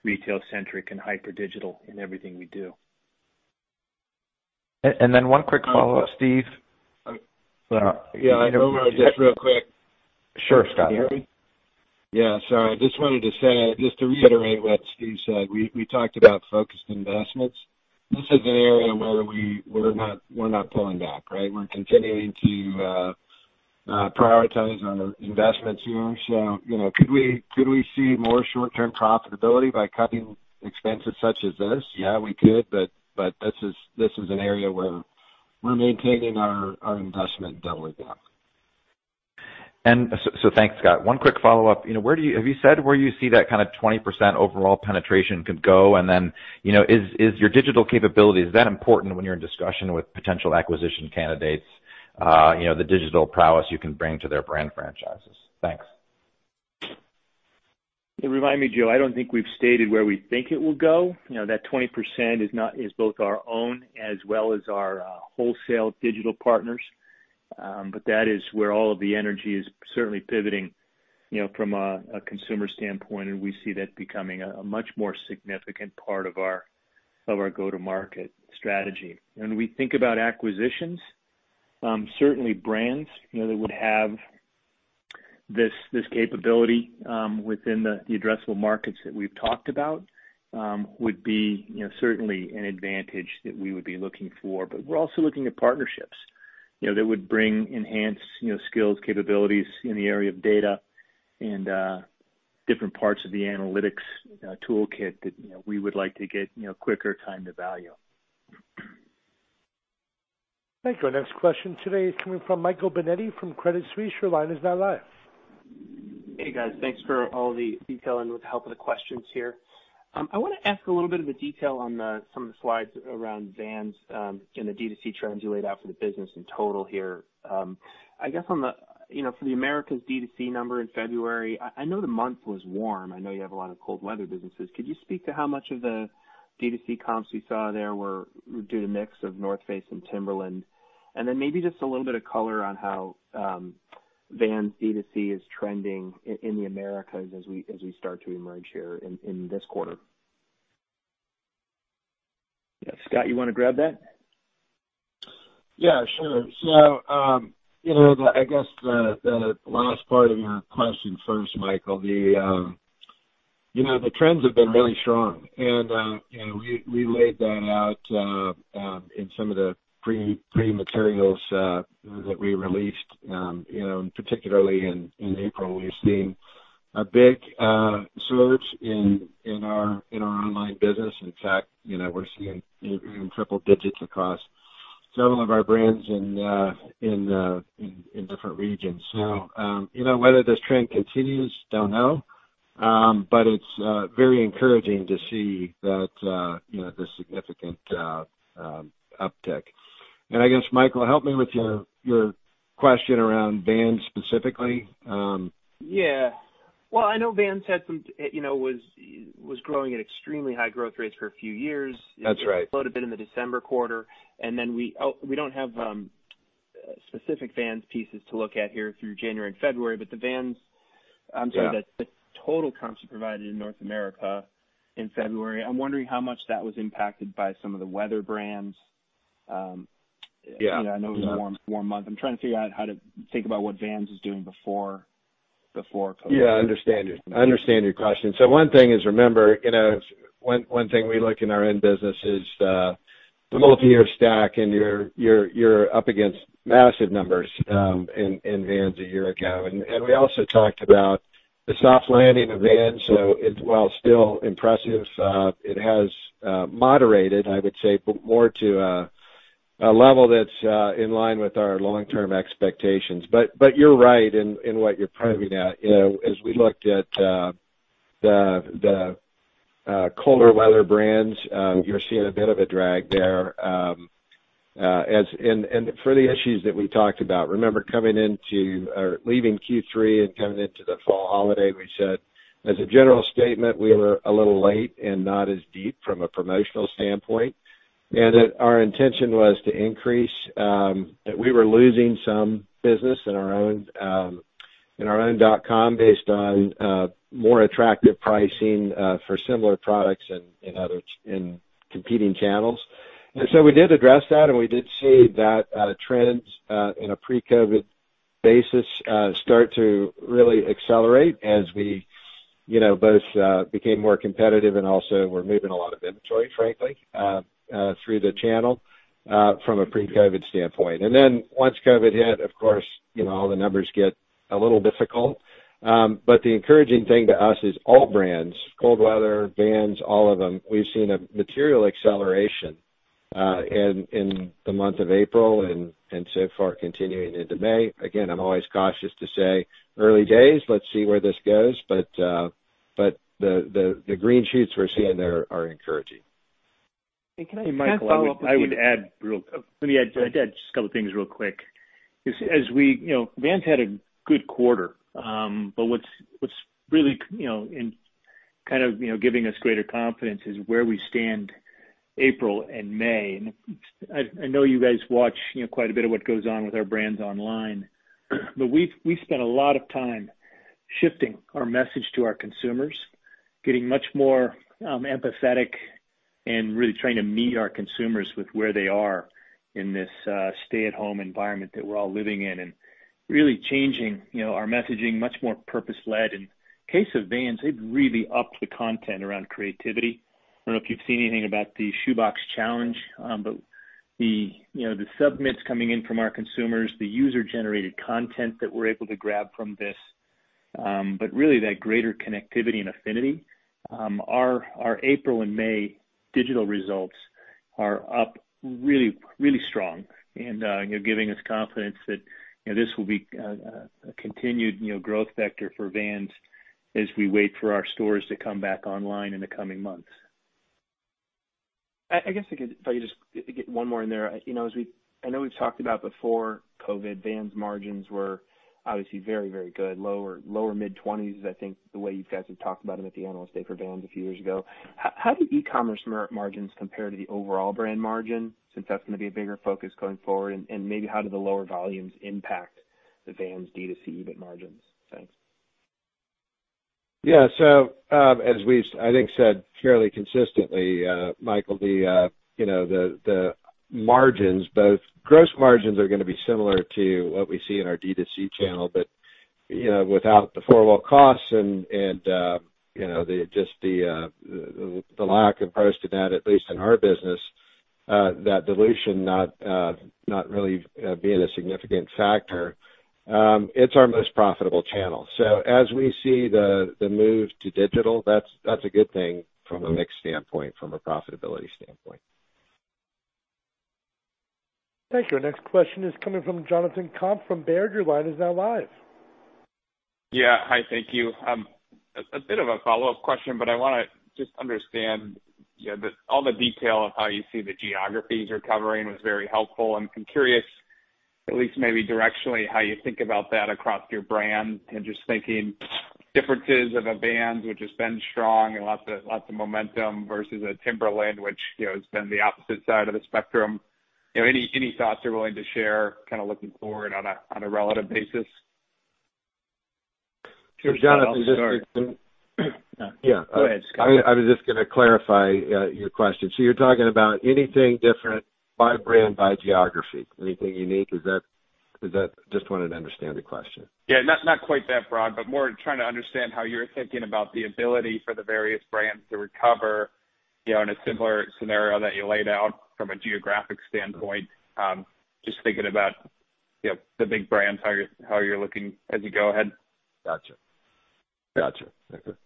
C: retail-centric, and hyper digital in everything we do.
F: One quick follow-up, Steve.
D: Yeah. Omar, just real quick.
F: Sure, Scott.
D: Can you hear me? Yeah. I just wanted to say, just to reiterate what Steve said, we talked about focused investments. This is an area where we're not pulling back, right? We're continuing to prioritize on investments here. Could we see more short-term profitability by cutting expenses such as this? Yeah, we could, but this is an area where we're maintaining our investment, not pulling back.
F: Thanks, Scott. One quick follow-up. Have you said where you see that kind of 20% overall penetration could go? Is your digital capability, is that important when you're in discussion with potential acquisition candidates, the digital prowess you can bring to their brand franchises? Thanks.
C: Remind me, Joe, I don't think we've stated where we think it will go. That 20% is both our own as well as our wholesale digital partners. That is where all of the energy is certainly pivoting from a consumer standpoint, and we see that becoming a much more significant part of our go-to-market strategy. When we think about acquisitions, certainly brands that would have this capability within the addressable markets that we've talked about would be certainly an advantage that we would be looking for. We're also looking at partnerships that would bring enhanced skills, capabilities in the area of data and different parts of the analytics toolkit that we would like to get quicker time to value.
A: Thank you. Our next question today is coming from Michael Binetti from Credit Suisse. Your line is now live.
G: Hey, guys. Thanks for all the detail and with the help of the questions here. I want to ask a little bit of a detail on some of the slides around Vans and the D2C trends you laid out for the business in total here. I guess for the Americas D2C number in February, I know the month was warm. I know you have a lot of cold weather businesses. Could you speak to how much of the D2C comps you saw there were due to mix of North Face and Timberland? Maybe just a little bit of color on how Vans D2C is trending in the Americas as we start to emerge here in this quarter.
C: Yeah. Scott, you want to grab that?
D: Yeah, sure. I guess the last part of your question first, Michael. The trends have been really strong. We laid that out in some of the pre-materials that we released. Particularly in April, we've seen a big surge in our online business. In fact, we're seeing triple digits across several of our brands in different regions. Whether this trend continues, don't know. It's very encouraging to see this significant uptick. I guess, Michael, help me with your question around Vans specifically.
G: Yeah. Well, I know Vans was growing at extremely high growth rates for a few years.
D: That's right.
G: Slowed a bit in the December quarter. We don't have specific Vans pieces to look at here through January and February.
D: Yeah.
G: I'm sorry, the total comps you provided in North America in February, I'm wondering how much that was impacted by some of the weather brands?
D: Yeah.
G: I know it was a warm month. I'm trying to figure out how to think about what Vans was doing before COVID.
D: Yeah, I understand your question. One thing is, remember, one thing we look in our end business is the multi-year stack, and you're up against massive numbers in Vans a year ago. We also talked about the soft landing of Vans. While still impressive, it has moderated, I would say, but more to a level that's in line with our long-term expectations. You're right in what you're [privy at]. As we looked at the colder weather brands, you're seeing a bit of a drag there. For the issues that we talked about, remember leaving Q3 and coming into the fall holiday, we said, as a general statement, we were a little late and not as deep from a promotional standpoint, and that our intention was to increase, that we were losing some business in our own dot-com based on more attractive pricing for similar products in competing channels. We did address that, and we did see that trends in a pre-COVID basis start to really accelerate as we both became more competitive and also were moving a lot of inventory, frankly, through the channel from a pre-COVID standpoint. Once COVID hit, of course, all the numbers get a little difficult. The encouraging thing to us is all brands, cold weather, Vans, all of them, we've seen a material acceleration in the month of April and so far continuing into May. Again, I'm always cautious to say, early days, let's see where this goes. The green shoots we're seeing there are encouraging.
G: Can I follow up with you?
C: Michael, let me add just a couple things real quick. Vans had a good quarter. What's really giving us greater confidence is where we stand April and May. I know you guys watch quite a bit of what goes on with our brands online. We've spent a lot of time shifting our message to our consumers, getting much more empathetic and really trying to meet our consumers with where they are in this stay-at-home environment that we're all living in and really changing our messaging, much more purpose-led. In case of Vans, they've really upped the content around creativity. I don't know if you've seen anything about the Shoe Box Challenge. The submits coming in from our consumers, the user-generated content that we're able to grab from this. Really, that greater connectivity and affinity. Our April and May digital results are up really strong and giving us confidence that this will be a continued growth vector for Vans as we wait for our stores to come back online in the coming months.
G: I guess if I could just get one more in there. I know we've talked about before COVID, Vans margins were obviously very, very good. Lower mid-20s is, I think, the way you guys have talked about them at the Analyst Day for Vans a few years ago. How do e-commerce margins compare to the overall brand margin, since that's going to be a bigger focus going forward? Maybe how do the lower volumes impact the Vans D2C EBIT margins? Thanks.
D: Yeah. As we've, I think, said fairly consistently, Michael, the margins, both gross margins are going to be similar to what we see in our D2C channel. Without the four wall costs and just the lack of [postage], at least in our business, that dilution not really being a significant factor. It's our most profitable channel. As we see the move to digital, that's a good thing from a mix standpoint, from a profitability standpoint.
A: Thank you. Our next question is coming from Jonathan Komp from Baird. Your line is now live.
H: Yeah. Hi, thank you. A bit of a follow-up question, but I want to just understand. All the detail of how you see the geographies you're covering was very helpful, and I'm curious, at least maybe directionally, how you think about that across your brand and just thinking differences of a Vans, which has been strong and lots of momentum, versus a Timberland, which has been the opposite side of the spectrum. Any thoughts you're willing to share looking forward on a relative basis?
D: Jonathan, just to-
C: Sure. I'll start.
D: Yeah.
C: Go ahead, Scott.
D: I was just going to clarify your question. You're talking about anything different by brand, by geography, anything unique? Just wanted to understand the question.
H: Yeah. Not quite that broad, but more trying to understand how you're thinking about the ability for the various brands to recover, in a similar scenario that you laid out from a geographic standpoint. Just thinking about the big brands, how you're looking as you go ahead.
D: Got you. Okay.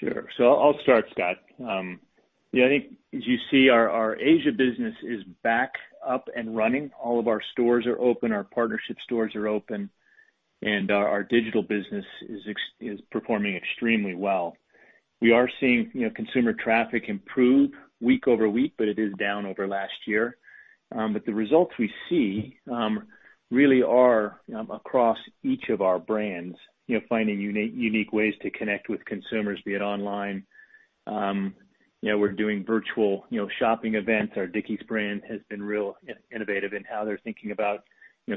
C: Sure. I'll start, Scott. I think as you see, our Asia business is back up and running. All of our stores are open, our partnership stores are open, and our digital business is performing extremely well. We are seeing consumer traffic improve week over week, but it is down over last year. The results we see really are across each of our brands, finding unique ways to connect with consumers, be it online. We're doing virtual shopping events. Our Dickies brand has been real innovative in how they're thinking about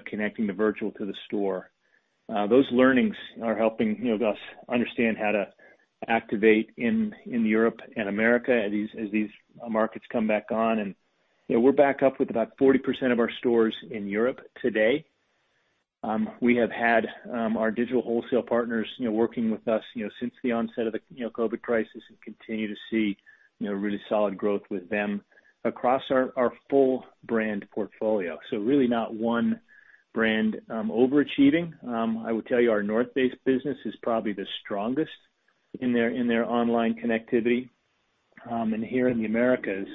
C: connecting the virtual to the store. Those learnings are helping us understand how to activate in Europe and America as these markets come back on. We're back up with about 40% of our stores in Europe today. We have had our digital wholesale partners working with us since the onset of the COVID-19 crisis and continue to see really solid growth with them across our full brand portfolio. Really not one brand overachieving. I would tell you our The North Face business is probably the strongest in their online connectivity. Here in the Americas,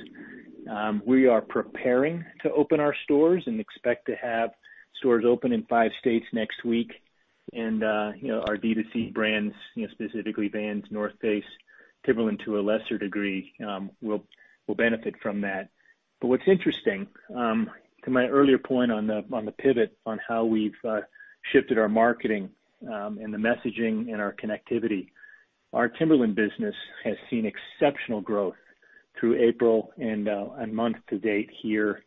C: we are preparing to open our stores and expect to have stores open in five states next week. Our D2C brands, specifically Vans, The North Face, Timberland to a lesser degree, will benefit from that. What's interesting, to my earlier point on the pivot on how we've shifted our marketing and the messaging and our connectivity, our Timberland business has seen exceptional growth through April and month to date here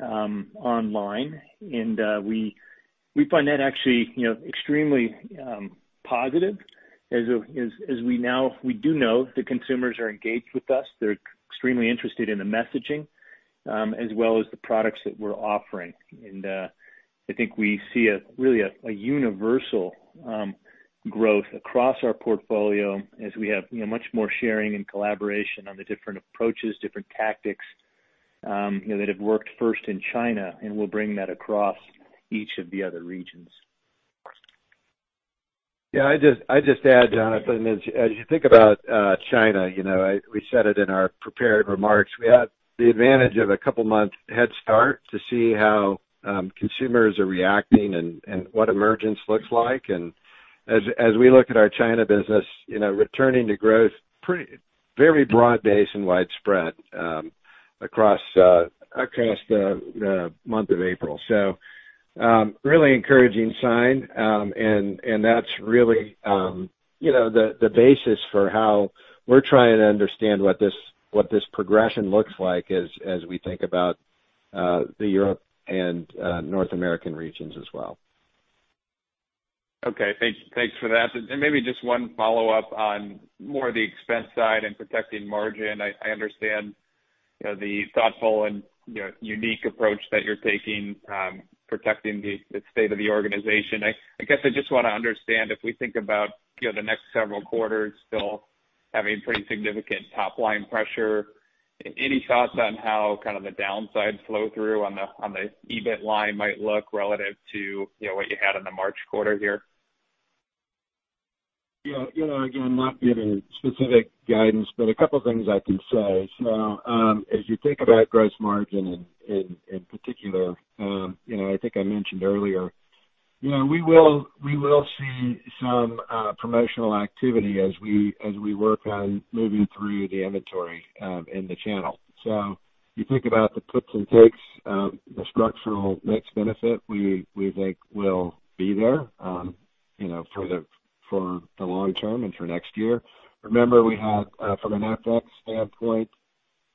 C: online. We find that actually extremely positive as we do know the consumers are engaged with us. They're extremely interested in the messaging as well as the products that we're offering. I think we see really a universal growth across our portfolio as we have much more sharing and collaboration on the different approaches, different tactics that have worked first in China, and we'll bring that across each of the other regions.
D: I'd just add, Jonathan, as you think about China, we said it in our prepared remarks, we had the advantage of a couple of months head start to see how consumers are reacting and what emergence looks like. As we look at our China business, returning to growth, very broad base and widespread across the month of April. Really encouraging sign, and that's really the basis for how we're trying to understand what this progression looks like as we think about the Europe and North American regions as well.
H: Okay. Thanks for that. Maybe just one follow-up on more the expense side and protecting margin. I understand the thoughtful and unique approach that you're taking, protecting the state of the organization. I guess I just want to understand, if we think about the next several quarters still having pretty significant top-line pressure, any thoughts on how the downside flow through on the EBIT line might look relative to what you had in the March quarter here?
D: Yeah. Again, not giving specific guidance, but a couple of things I can say. As you think about gross margin in particular, I think I mentioned earlier, we will see some promotional activity as we work on moving through the inventory in the channel. You think about the puts and takes, the structural mix benefit we think will be there for the long term and for next year. Remember, we have, from an FX standpoint,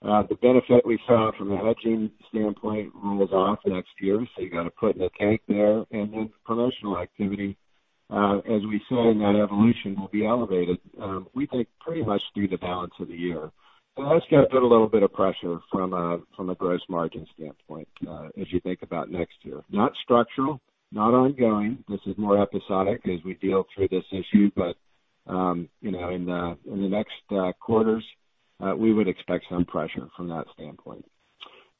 D: the benefit we saw from a hedging standpoint rolls off next year. You got to put in a take there. Then promotional activity, as we saw in that evolution, will be elevated, we think pretty much through the balance of the year. That's got a little bit of pressure from a gross margin standpoint as you think about next year. Not structural, not ongoing. This is more episodic as we deal through this issue. In the next quarters, we would expect some pressure from that standpoint.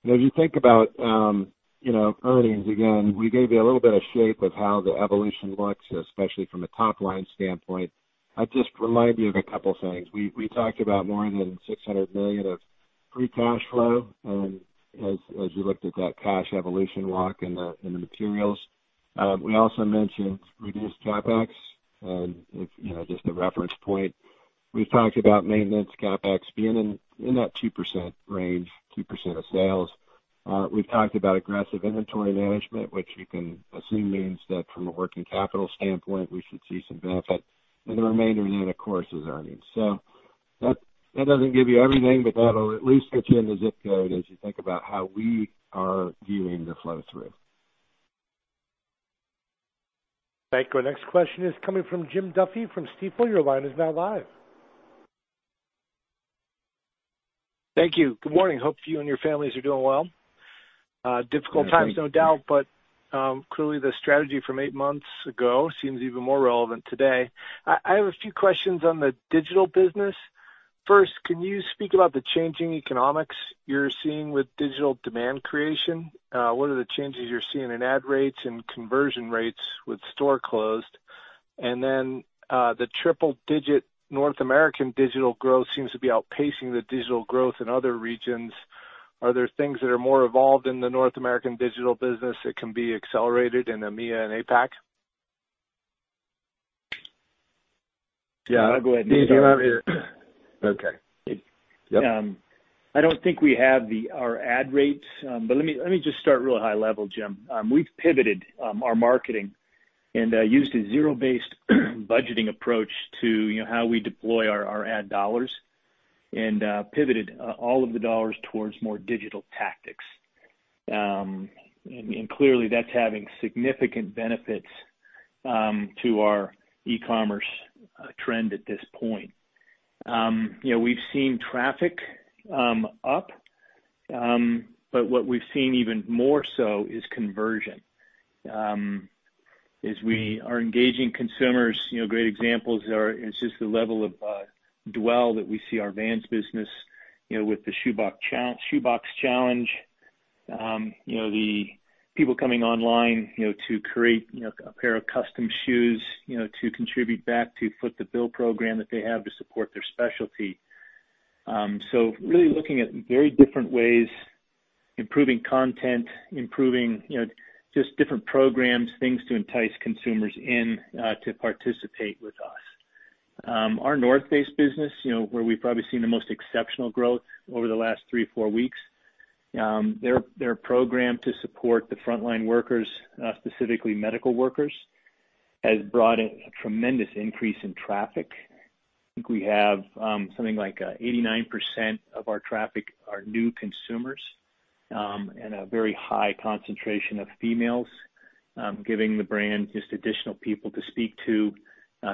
D: As you think about earnings, again, we gave you a little bit of shape of how the evolution looks, especially from a top-line standpoint. I'd just remind you of a couple things. We talked about more than $600 million of free cash flow as you looked at that cash evolution walk in the materials. We also mentioned reduced CapEx. Just a reference point, we've talked about maintenance CapEx being in that 2% range, 2% of sales. We've talked about aggressive inventory management, which you can assume means that from a working capital standpoint, we should see some benefit, and the remainder then, of course, is earnings. That doesn't give you everything, but that'll at least get you in the zip code as you think about how we are viewing the flow through.
A: Thank you. Our next question is coming from Jim Duffy from Stifel. Your line is now live.
I: Thank you. Good morning. Hope you and your families are doing well.
D: Yeah, thank you.
I: Difficult times, no doubt. Clearly the strategy from 8 months ago seems even more relevant today. I have a few questions on the digital business. First, can you speak about the changing economics you're seeing with digital demand creation? What are the changes you're seeing in ad rates and conversion rates with store closed? The triple-digit North American digital growth seems to be outpacing the digital growth in other regions. Are there things that are more evolved in the North American digital business that can be accelerated in EMEA and APAC?
C: Yeah. I'll go ahead and
D: Steve, you're on mute.
C: Okay. Yep. I don't think we have our ad rates. Let me just start real high level, Jim. We've pivoted our marketing and used a zero-based budgeting approach to how we deploy our ad dollars, and pivoted all of the dollars towards more digital tactics. Clearly that's having significant benefits to our e-commerce trend at this point. We've seen traffic up, but what we've seen even more so is conversion, as we are engaging consumers. Great examples are just the level of dwell that we see our Vans business with the Shoe Box Challenge. The people coming online to create a pair of custom shoes to contribute back to Foot the Bill program that they have to support their specialty. Really looking at very different ways, improving content, improving just different programs, things to entice consumers in to participate with us. Our The North Face-based business, where we've probably seen the most exceptional growth over the last three, four weeks. Their program to support the frontline workers, specifically medical workers, has brought a tremendous increase in traffic. I think we have something like 89% of our traffic are new consumers, and a very high concentration of females, giving the brand just additional people to speak to,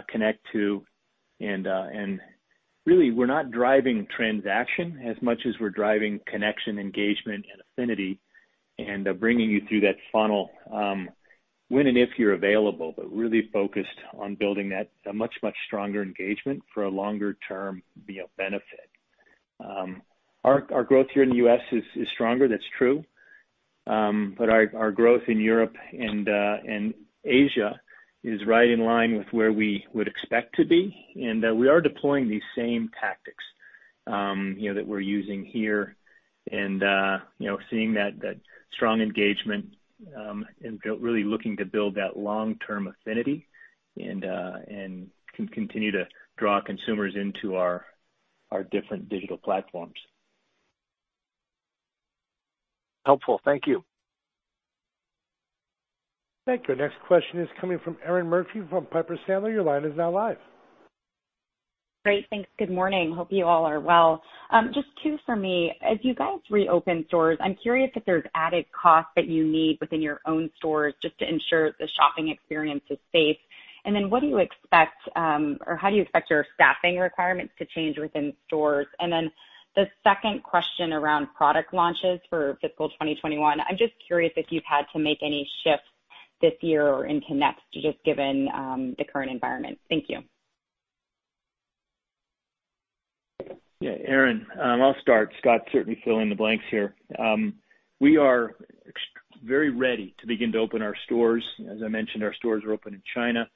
C: connect to. Really, we're not driving transaction as much as we're driving connection, engagement, and affinity, and bringing you through that funnel when and if you're available. Really focused on building that much, much stronger engagement for a longer term benefit. Our growth here in the U.S. is stronger, that's true. Our growth in Europe and Asia is right in line with where we would expect to be. We are deploying these same tactics that we're using here, and seeing that strong engagement, and really looking to build that long-term affinity and continue to draw consumers into our different digital platforms.
I: Helpful. Thank you.
A: Thank you. Our next question is coming from Erinn Murphy from Piper Sandler. Your line is now live.
J: Great. Thanks. Good morning. Hope you all are well. Just two for me. As you guys reopen stores, I'm curious if there's added cost that you need within your own stores just to ensure the shopping experience is safe. What do you expect, or how do you expect your staffing requirements to change within stores? The second question around product launches for fiscal 2021. I'm just curious if you've had to make any shifts this year or into next, just given the current environment. Thank you.
C: Erinn, I'll start. Scott, certainly fill in the blanks here. We are very ready to begin to open our stores. As I mentioned, our stores are open in China.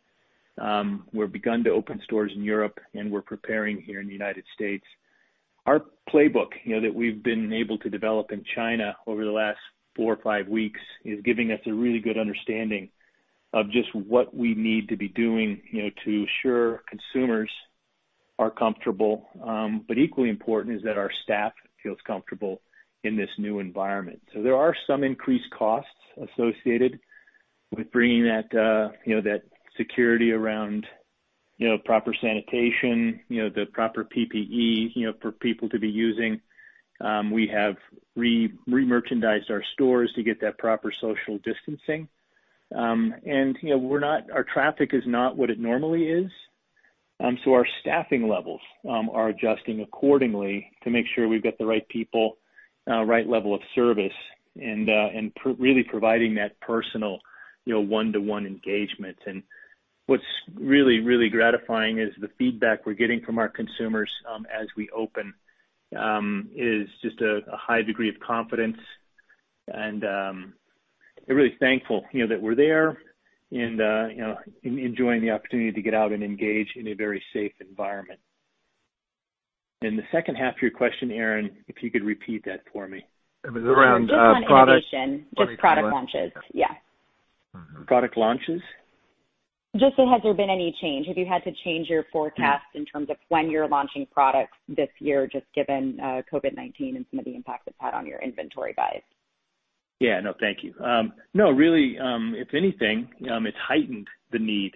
C: We've begun to open stores in Europe, and we're preparing here in the U.S. Our playbook that we've been able to develop in China over the last four or five weeks is giving us a really good understanding of just what we need to be doing to assure consumers are comfortable. Equally important is that our staff feels comfortable in this new environment. There are some increased costs associated with bringing that security around proper sanitation, the proper PPE for people to be using. We have re-merchandised our stores to get that proper social distancing. Our traffic is not what it normally is, so our staffing levels are adjusting accordingly to make sure we've got the right people, right level of service, and really providing that personal one-to-one engagement. What's really gratifying is the feedback we're getting from our consumers as we open is just a high degree of confidence. They're really thankful that we're there and enjoying the opportunity to get out and engage in a very safe environment. The second half of your question, Erinn, if you could repeat that for me.
D: It was around product.
J: Just on innovation. Just product launches. Yeah.
C: Product launches?
J: Just has there been any change? Have you had to change your forecast in terms of when you're launching products this year, just given COVID-19 and some of the impact it's had on your inventory buys?
C: No, thank you. No, really, if anything, it's heightened the need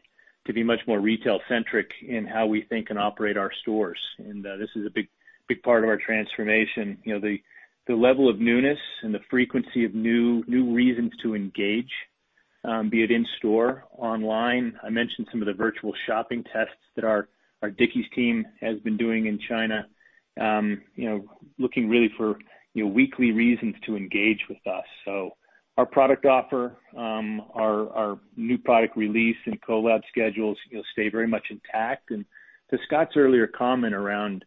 C: to be much more retail-centric in how we think and operate our stores. This is a big part of our transformation. The level of newness and the frequency of new reasons to engage, be it in store, online. I mentioned some of the virtual shopping tests that our Dickies team has been doing in China. Looking really for weekly reasons to engage with us. Our product offer, our new product release and collab schedules stay very much intact. To Scott's earlier comment around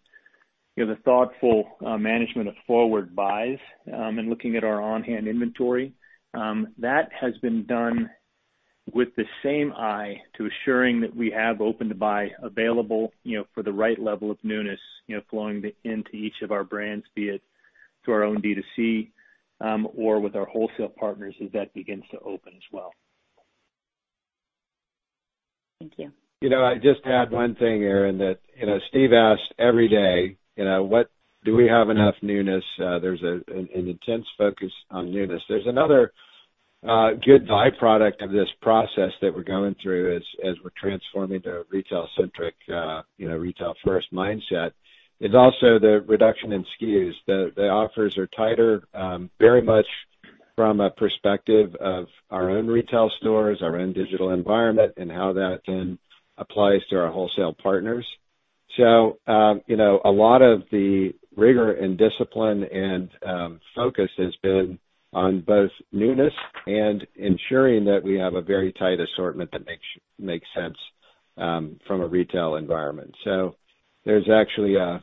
C: the thoughtful management of forward buys and looking at our on-hand inventory, that has been done with the same eye to assuring that we have open to buy available for the right level of newness flowing into each of our brands, be it through our own D2C or with our wholesale partners as that begins to open as well.
J: Thank you.
D: I'd just add one thing, Erinn, that Steve asks every day, "Do we have enough newness?" There's an intense focus on newness. There's another good by-product of this process that we're going through as we're transforming to retail-centric, retail first mindset, is also the reduction in SKUs. The offers are tighter, very much from a perspective of our own retail stores, our own digital environment, and how that then applies to our wholesale partners. A lot of the rigor and discipline and focus has been on both newness and ensuring that we have a very tight assortment that makes sense from a retail environment. There's actually a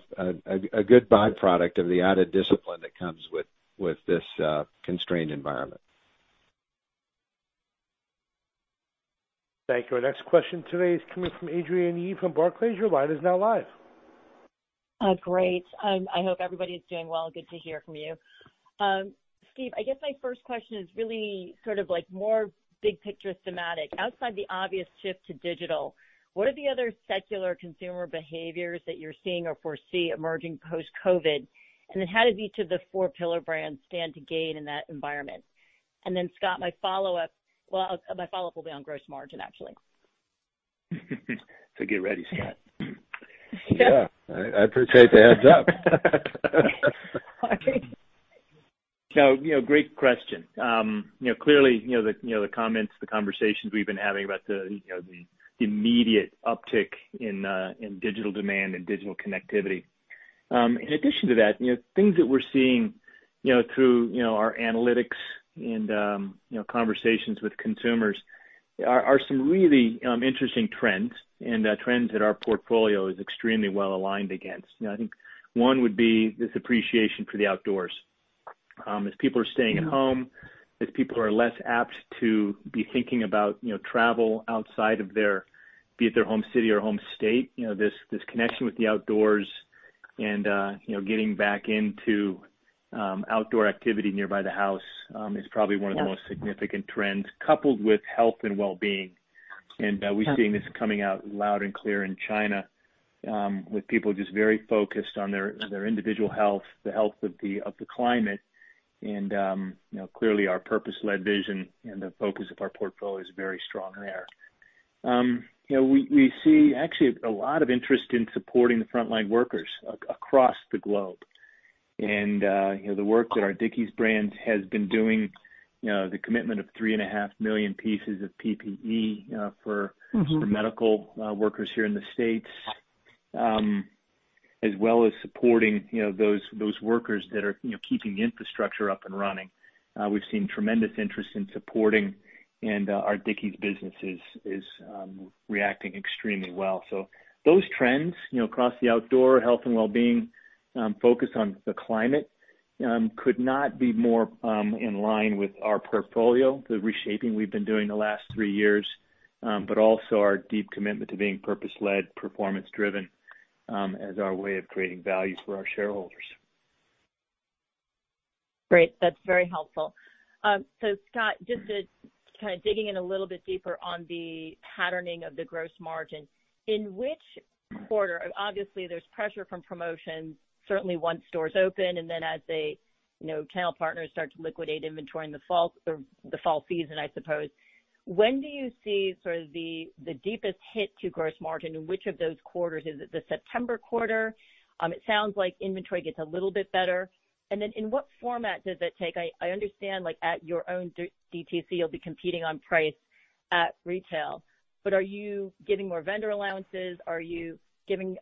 D: good by-product of the added discipline that comes with this constrained environment.
A: Thank you. Our next question today is coming from Adrienne Yih from Barclays. Your line is now live.
K: Great. I hope everybody's doing well. Good to hear from you. Steve, I guess my first question is really more big picture schematic. Outside the obvious shift to digital, what are the other secular consumer behaviors that you're seeing or foresee emerging post-COVID? How does each of the four pillar brands stand to gain in that environment? Scott, my follow-up will be on gross margin, actually.
C: Get ready, Scott.
D: Yeah. I appreciate the heads up.
K: Okay.
C: Great question. Clearly, the comments, the conversations we've been having about the immediate uptick in digital demand and digital connectivity. In addition to that, things that we're seeing through our analytics and conversations with consumers are some really interesting trends, and trends that our portfolio is extremely well aligned against. I think one would be this appreciation for the outdoors. As people are staying at home, as people are less apt to be thinking about travel outside of their, be it their home city or home state, this connection with the outdoors and getting back into outdoor activity nearby the house is probably one of the most significant trends, coupled with health and wellbeing. We're seeing this coming out loud and clear in China, with people just very focused on their individual health, the health of the climate, and clearly our purpose-led vision and the focus of our portfolio is very strong there. We see actually a lot of interest in supporting the frontline workers across the globe. The work that our Dickies brand has been doing, the commitment of three and a half million pieces of PPE for medical workers here in the States, as well as supporting those workers that are keeping infrastructure up and running. We've seen tremendous interest in supporting, and our Dickies business is reacting extremely well. Those trends across the outdoor health and wellbeing focus on the climate could not be more in line with our portfolio, the reshaping we've been doing the last three years. Also our deep commitment to being purpose-led, performance driven, as our way of creating value for our shareholders.
K: Great. Scott, just to digging in a little bit deeper on the patterning of the gross margin, in which quarter. Obviously, there's pressure from promotions, certainly once stores open, and then as channel partners start to liquidate inventory in the fall season, I suppose. When do you see the deepest hit to gross margin? In which of those quarters? Is it the September quarter? It sounds like inventory gets a little bit better. Then in what format does it take? I understand, at your own DTC, you'll be competing on price at retail. Are you giving more vendor allowances? Are you giving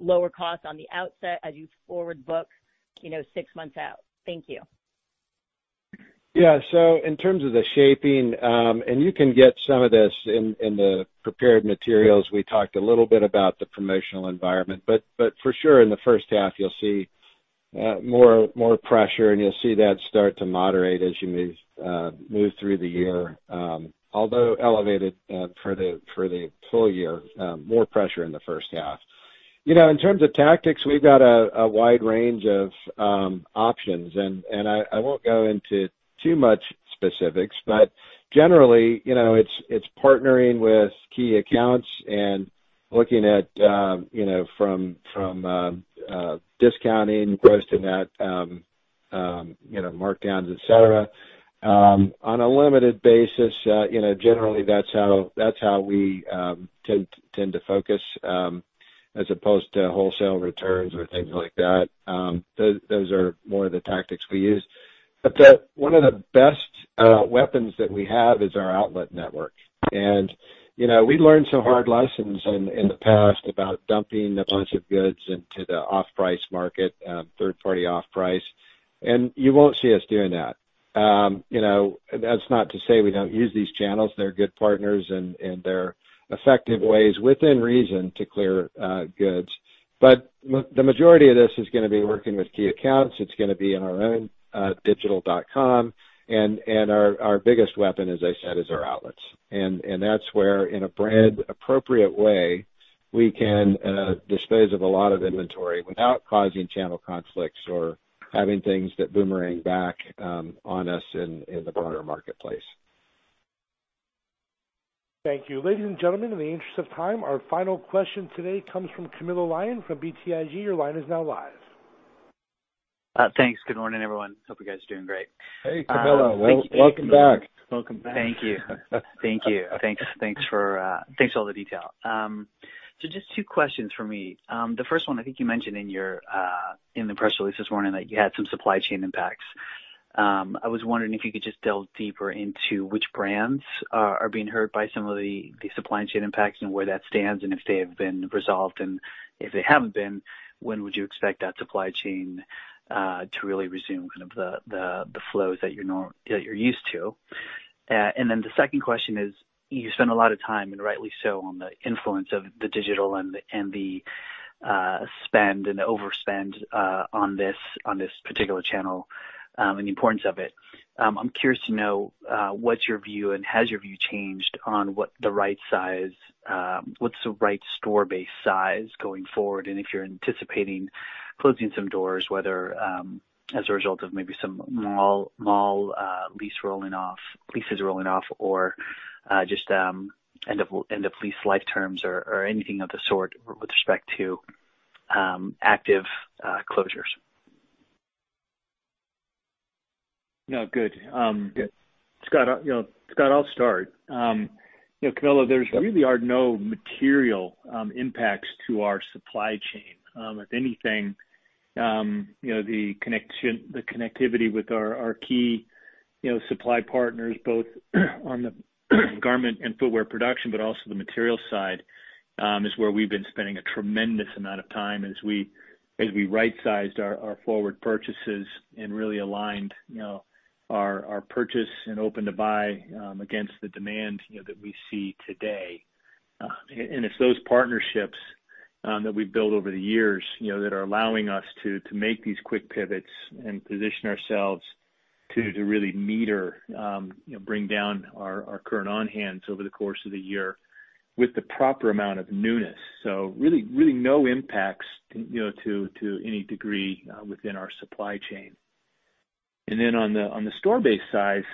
K: lower costs on the outset as you forward book 6 months out? Thank you.
D: In terms of the shaping, and you can get some of this in the prepared materials. We talked a little bit about the promotional environment. For sure in the first half, you'll see more pressure, and you'll see that start to moderate as you move through the year. Elevated for the full year, more pressure in the first half. In terms of tactics, we've got a wide range of options. I won't go into too much specifics, but generally, it's partnering with key accounts and looking at from discounting gross to net markdowns, et cetera. On a limited basis, generally that's how we tend to focus as opposed to wholesale returns or things like that. Those are more of the tactics we use. One of the best weapons that we have is our outlet network. We learned some hard lessons in the past about dumping a bunch of goods into the off-price market, third-party off-price. You won't see us doing that. That's not to say we don't use these channels. They're good partners and they're effective ways within reason to clear goods. The majority of this is going to be working with key accounts. It's going to be on our own digital.com. Our biggest weapon, as I said, is our outlets. That's where, in a brand appropriate way, we can dispose of a lot of inventory without causing channel conflicts or having things that boomerang back on us in the broader marketplace.
A: Thank you. Ladies and gentlemen, in the interest of time, our final question today comes from Camilo Lyon from BTIG. Your line is now live.
L: Thanks. Good morning, everyone. Hope you guys are doing great.
D: Hey, Camilo. Welcome back.
C: Welcome back.
L: Thank you. Thanks for all the detail. Just two questions from me. The first one, I think you mentioned in the press release this morning that you had some supply chain impacts. I was wondering if you could just delve deeper into which brands are being hurt by some of the supply chain impacts and where that stands, and if they have been resolved. If they haven't been, when would you expect that supply chain to really resume the flows that you're used to? The second question is, you spend a lot of time, and rightly so, on the influence of the digital and the spend and the overspend on this particular channel, and the importance of it. I'm curious to know what's your view, and has your view changed on what's the right store base size going forward? If you're anticipating closing some doors, whether as a result of maybe some mall leases rolling off or just end of lease life terms or anything of the sort with respect to active closures.
C: No. Good. Scott, I'll start. Camilo, there really are no material impacts to our supply chain. If anything, the connectivity with our key supply partners, both on the garment and footwear production, but also the material side, is where we've been spending a tremendous amount of time as we right-sized our forward purchases and really aligned our purchase and open to buy against the demand that we see today. It's those partnerships that we've built over the years that are allowing us to make these quick pivots and position ourselves to really meter, bring down our current on-hands over the course of the year with the proper amount of newness. Really no impacts to any degree within our supply chain. Then on the store base size,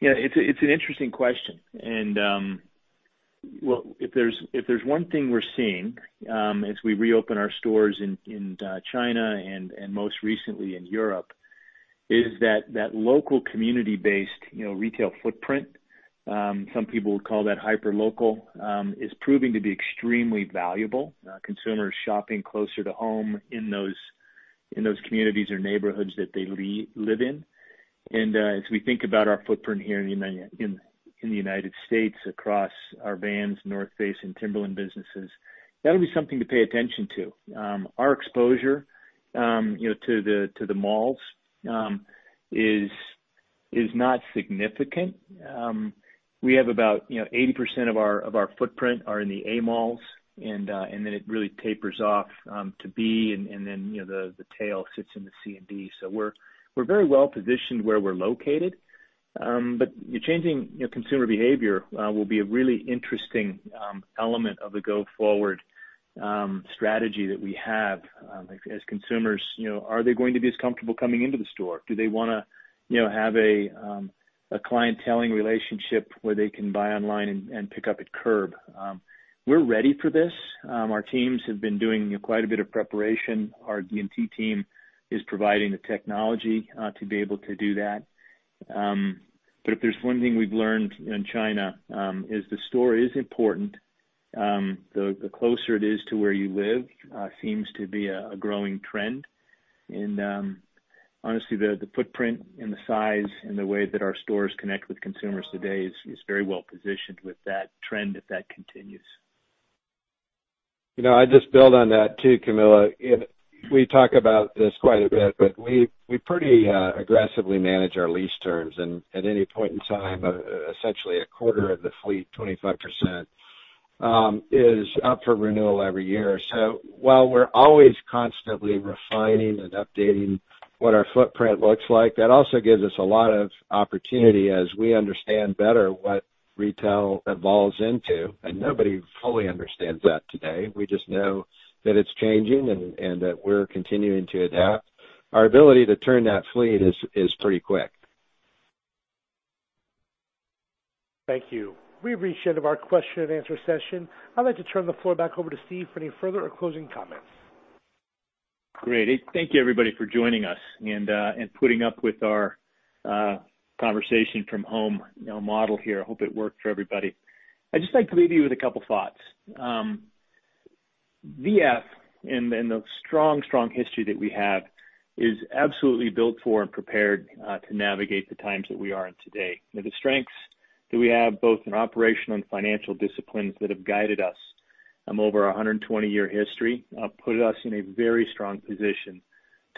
C: it's an interesting question. If there's one thing we're seeing as we reopen our stores in China and most recently in Europe is that local community-based retail footprint, some people would call that hyperlocal, is proving to be extremely valuable. Consumers shopping closer to home in those communities or neighborhoods that they live in. As we think about our footprint here in the United States across our Vans, North Face, and Timberland businesses, that'll be something to pay attention to. Our exposure to the malls is not significant. We have about 80% of our footprint are in the A malls, and then it really tapers off to B, and then the tail sits in the C and D. We're very well positioned where we're located. Changing consumer behavior will be a really interesting element of the go-forward strategy that we have as consumers. Are they going to be as comfortable coming into the store? Do they want to have a clienteling relationship where they can buy online and pick up at curb? We're ready for this. Our teams have been doing quite a bit of preparation. Our D&T team is providing the technology to be able to do that. If there's one thing we've learned in China is the store is important. The closer it is to where you live seems to be a growing trend. Honestly, the footprint and the size and the way that our stores connect with consumers today is very well positioned with that trend, if that continues.
D: I just build on that too, Camilo. We talk about this quite a bit, but we pretty aggressively manage our lease terms. At any point in time, essentially a quarter of the fleet, 25%, is up for renewal every year. While we're always constantly refining and updating what our footprint looks like, that also gives us a lot of opportunity as we understand better what retail evolves into, and nobody fully understands that today. We just know that it's changing and that we're continuing to adapt. Our ability to turn that fleet is pretty quick.
A: Thank you. We've reached the end of our question and answer session. I'd like to turn the floor back over to Steve for any further or closing comments.
C: Great. Thank you, everybody, for joining us and putting up with our conversation from home model here. I hope it worked for everybody. I'd just like to leave you with a couple thoughts. V.F. and the strong history that we have is absolutely built for and prepared to navigate the times that we are in today. The strengths that we have, both in operational and financial disciplines that have guided us over our 120-year history, put us in a very strong position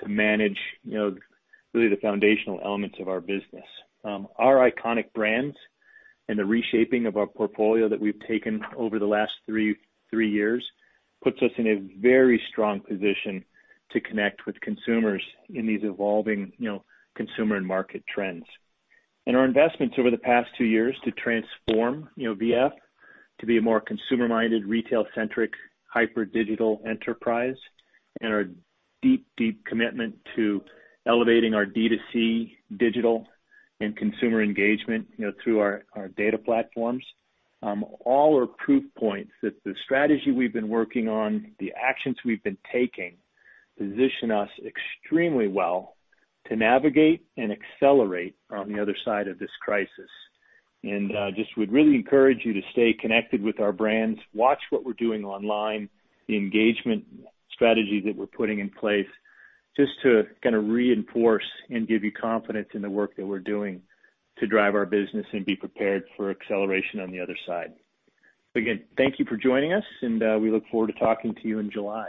C: to manage really the foundational elements of our business. Our iconic brands and the reshaping of our portfolio that we've taken over the last three years puts us in a very strong position to connect with consumers in these evolving consumer and market trends. Our investments over the past two years to transform V.F. to be a more consumer-minded, retail-centric, hyper digital enterprise, and our deep commitment to elevating our D2C digital and consumer engagement through our data platforms, all are proof points that the strategy we've been working on, the actions we've been taking, position us extremely well to navigate and accelerate on the other side of this crisis. Just would really encourage you to stay connected with our brands, watch what we're doing online, the engagement strategy that we're putting in place, just to reinforce and give you confidence in the work that we're doing to drive our business and be prepared for acceleration on the other side. Again, thank you for joining us, and we look forward to talking to you in July.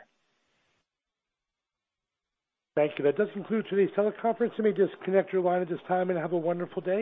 A: Thank you. That does conclude today's teleconference. Let me disconnect your line at this time, and have a wonderful day.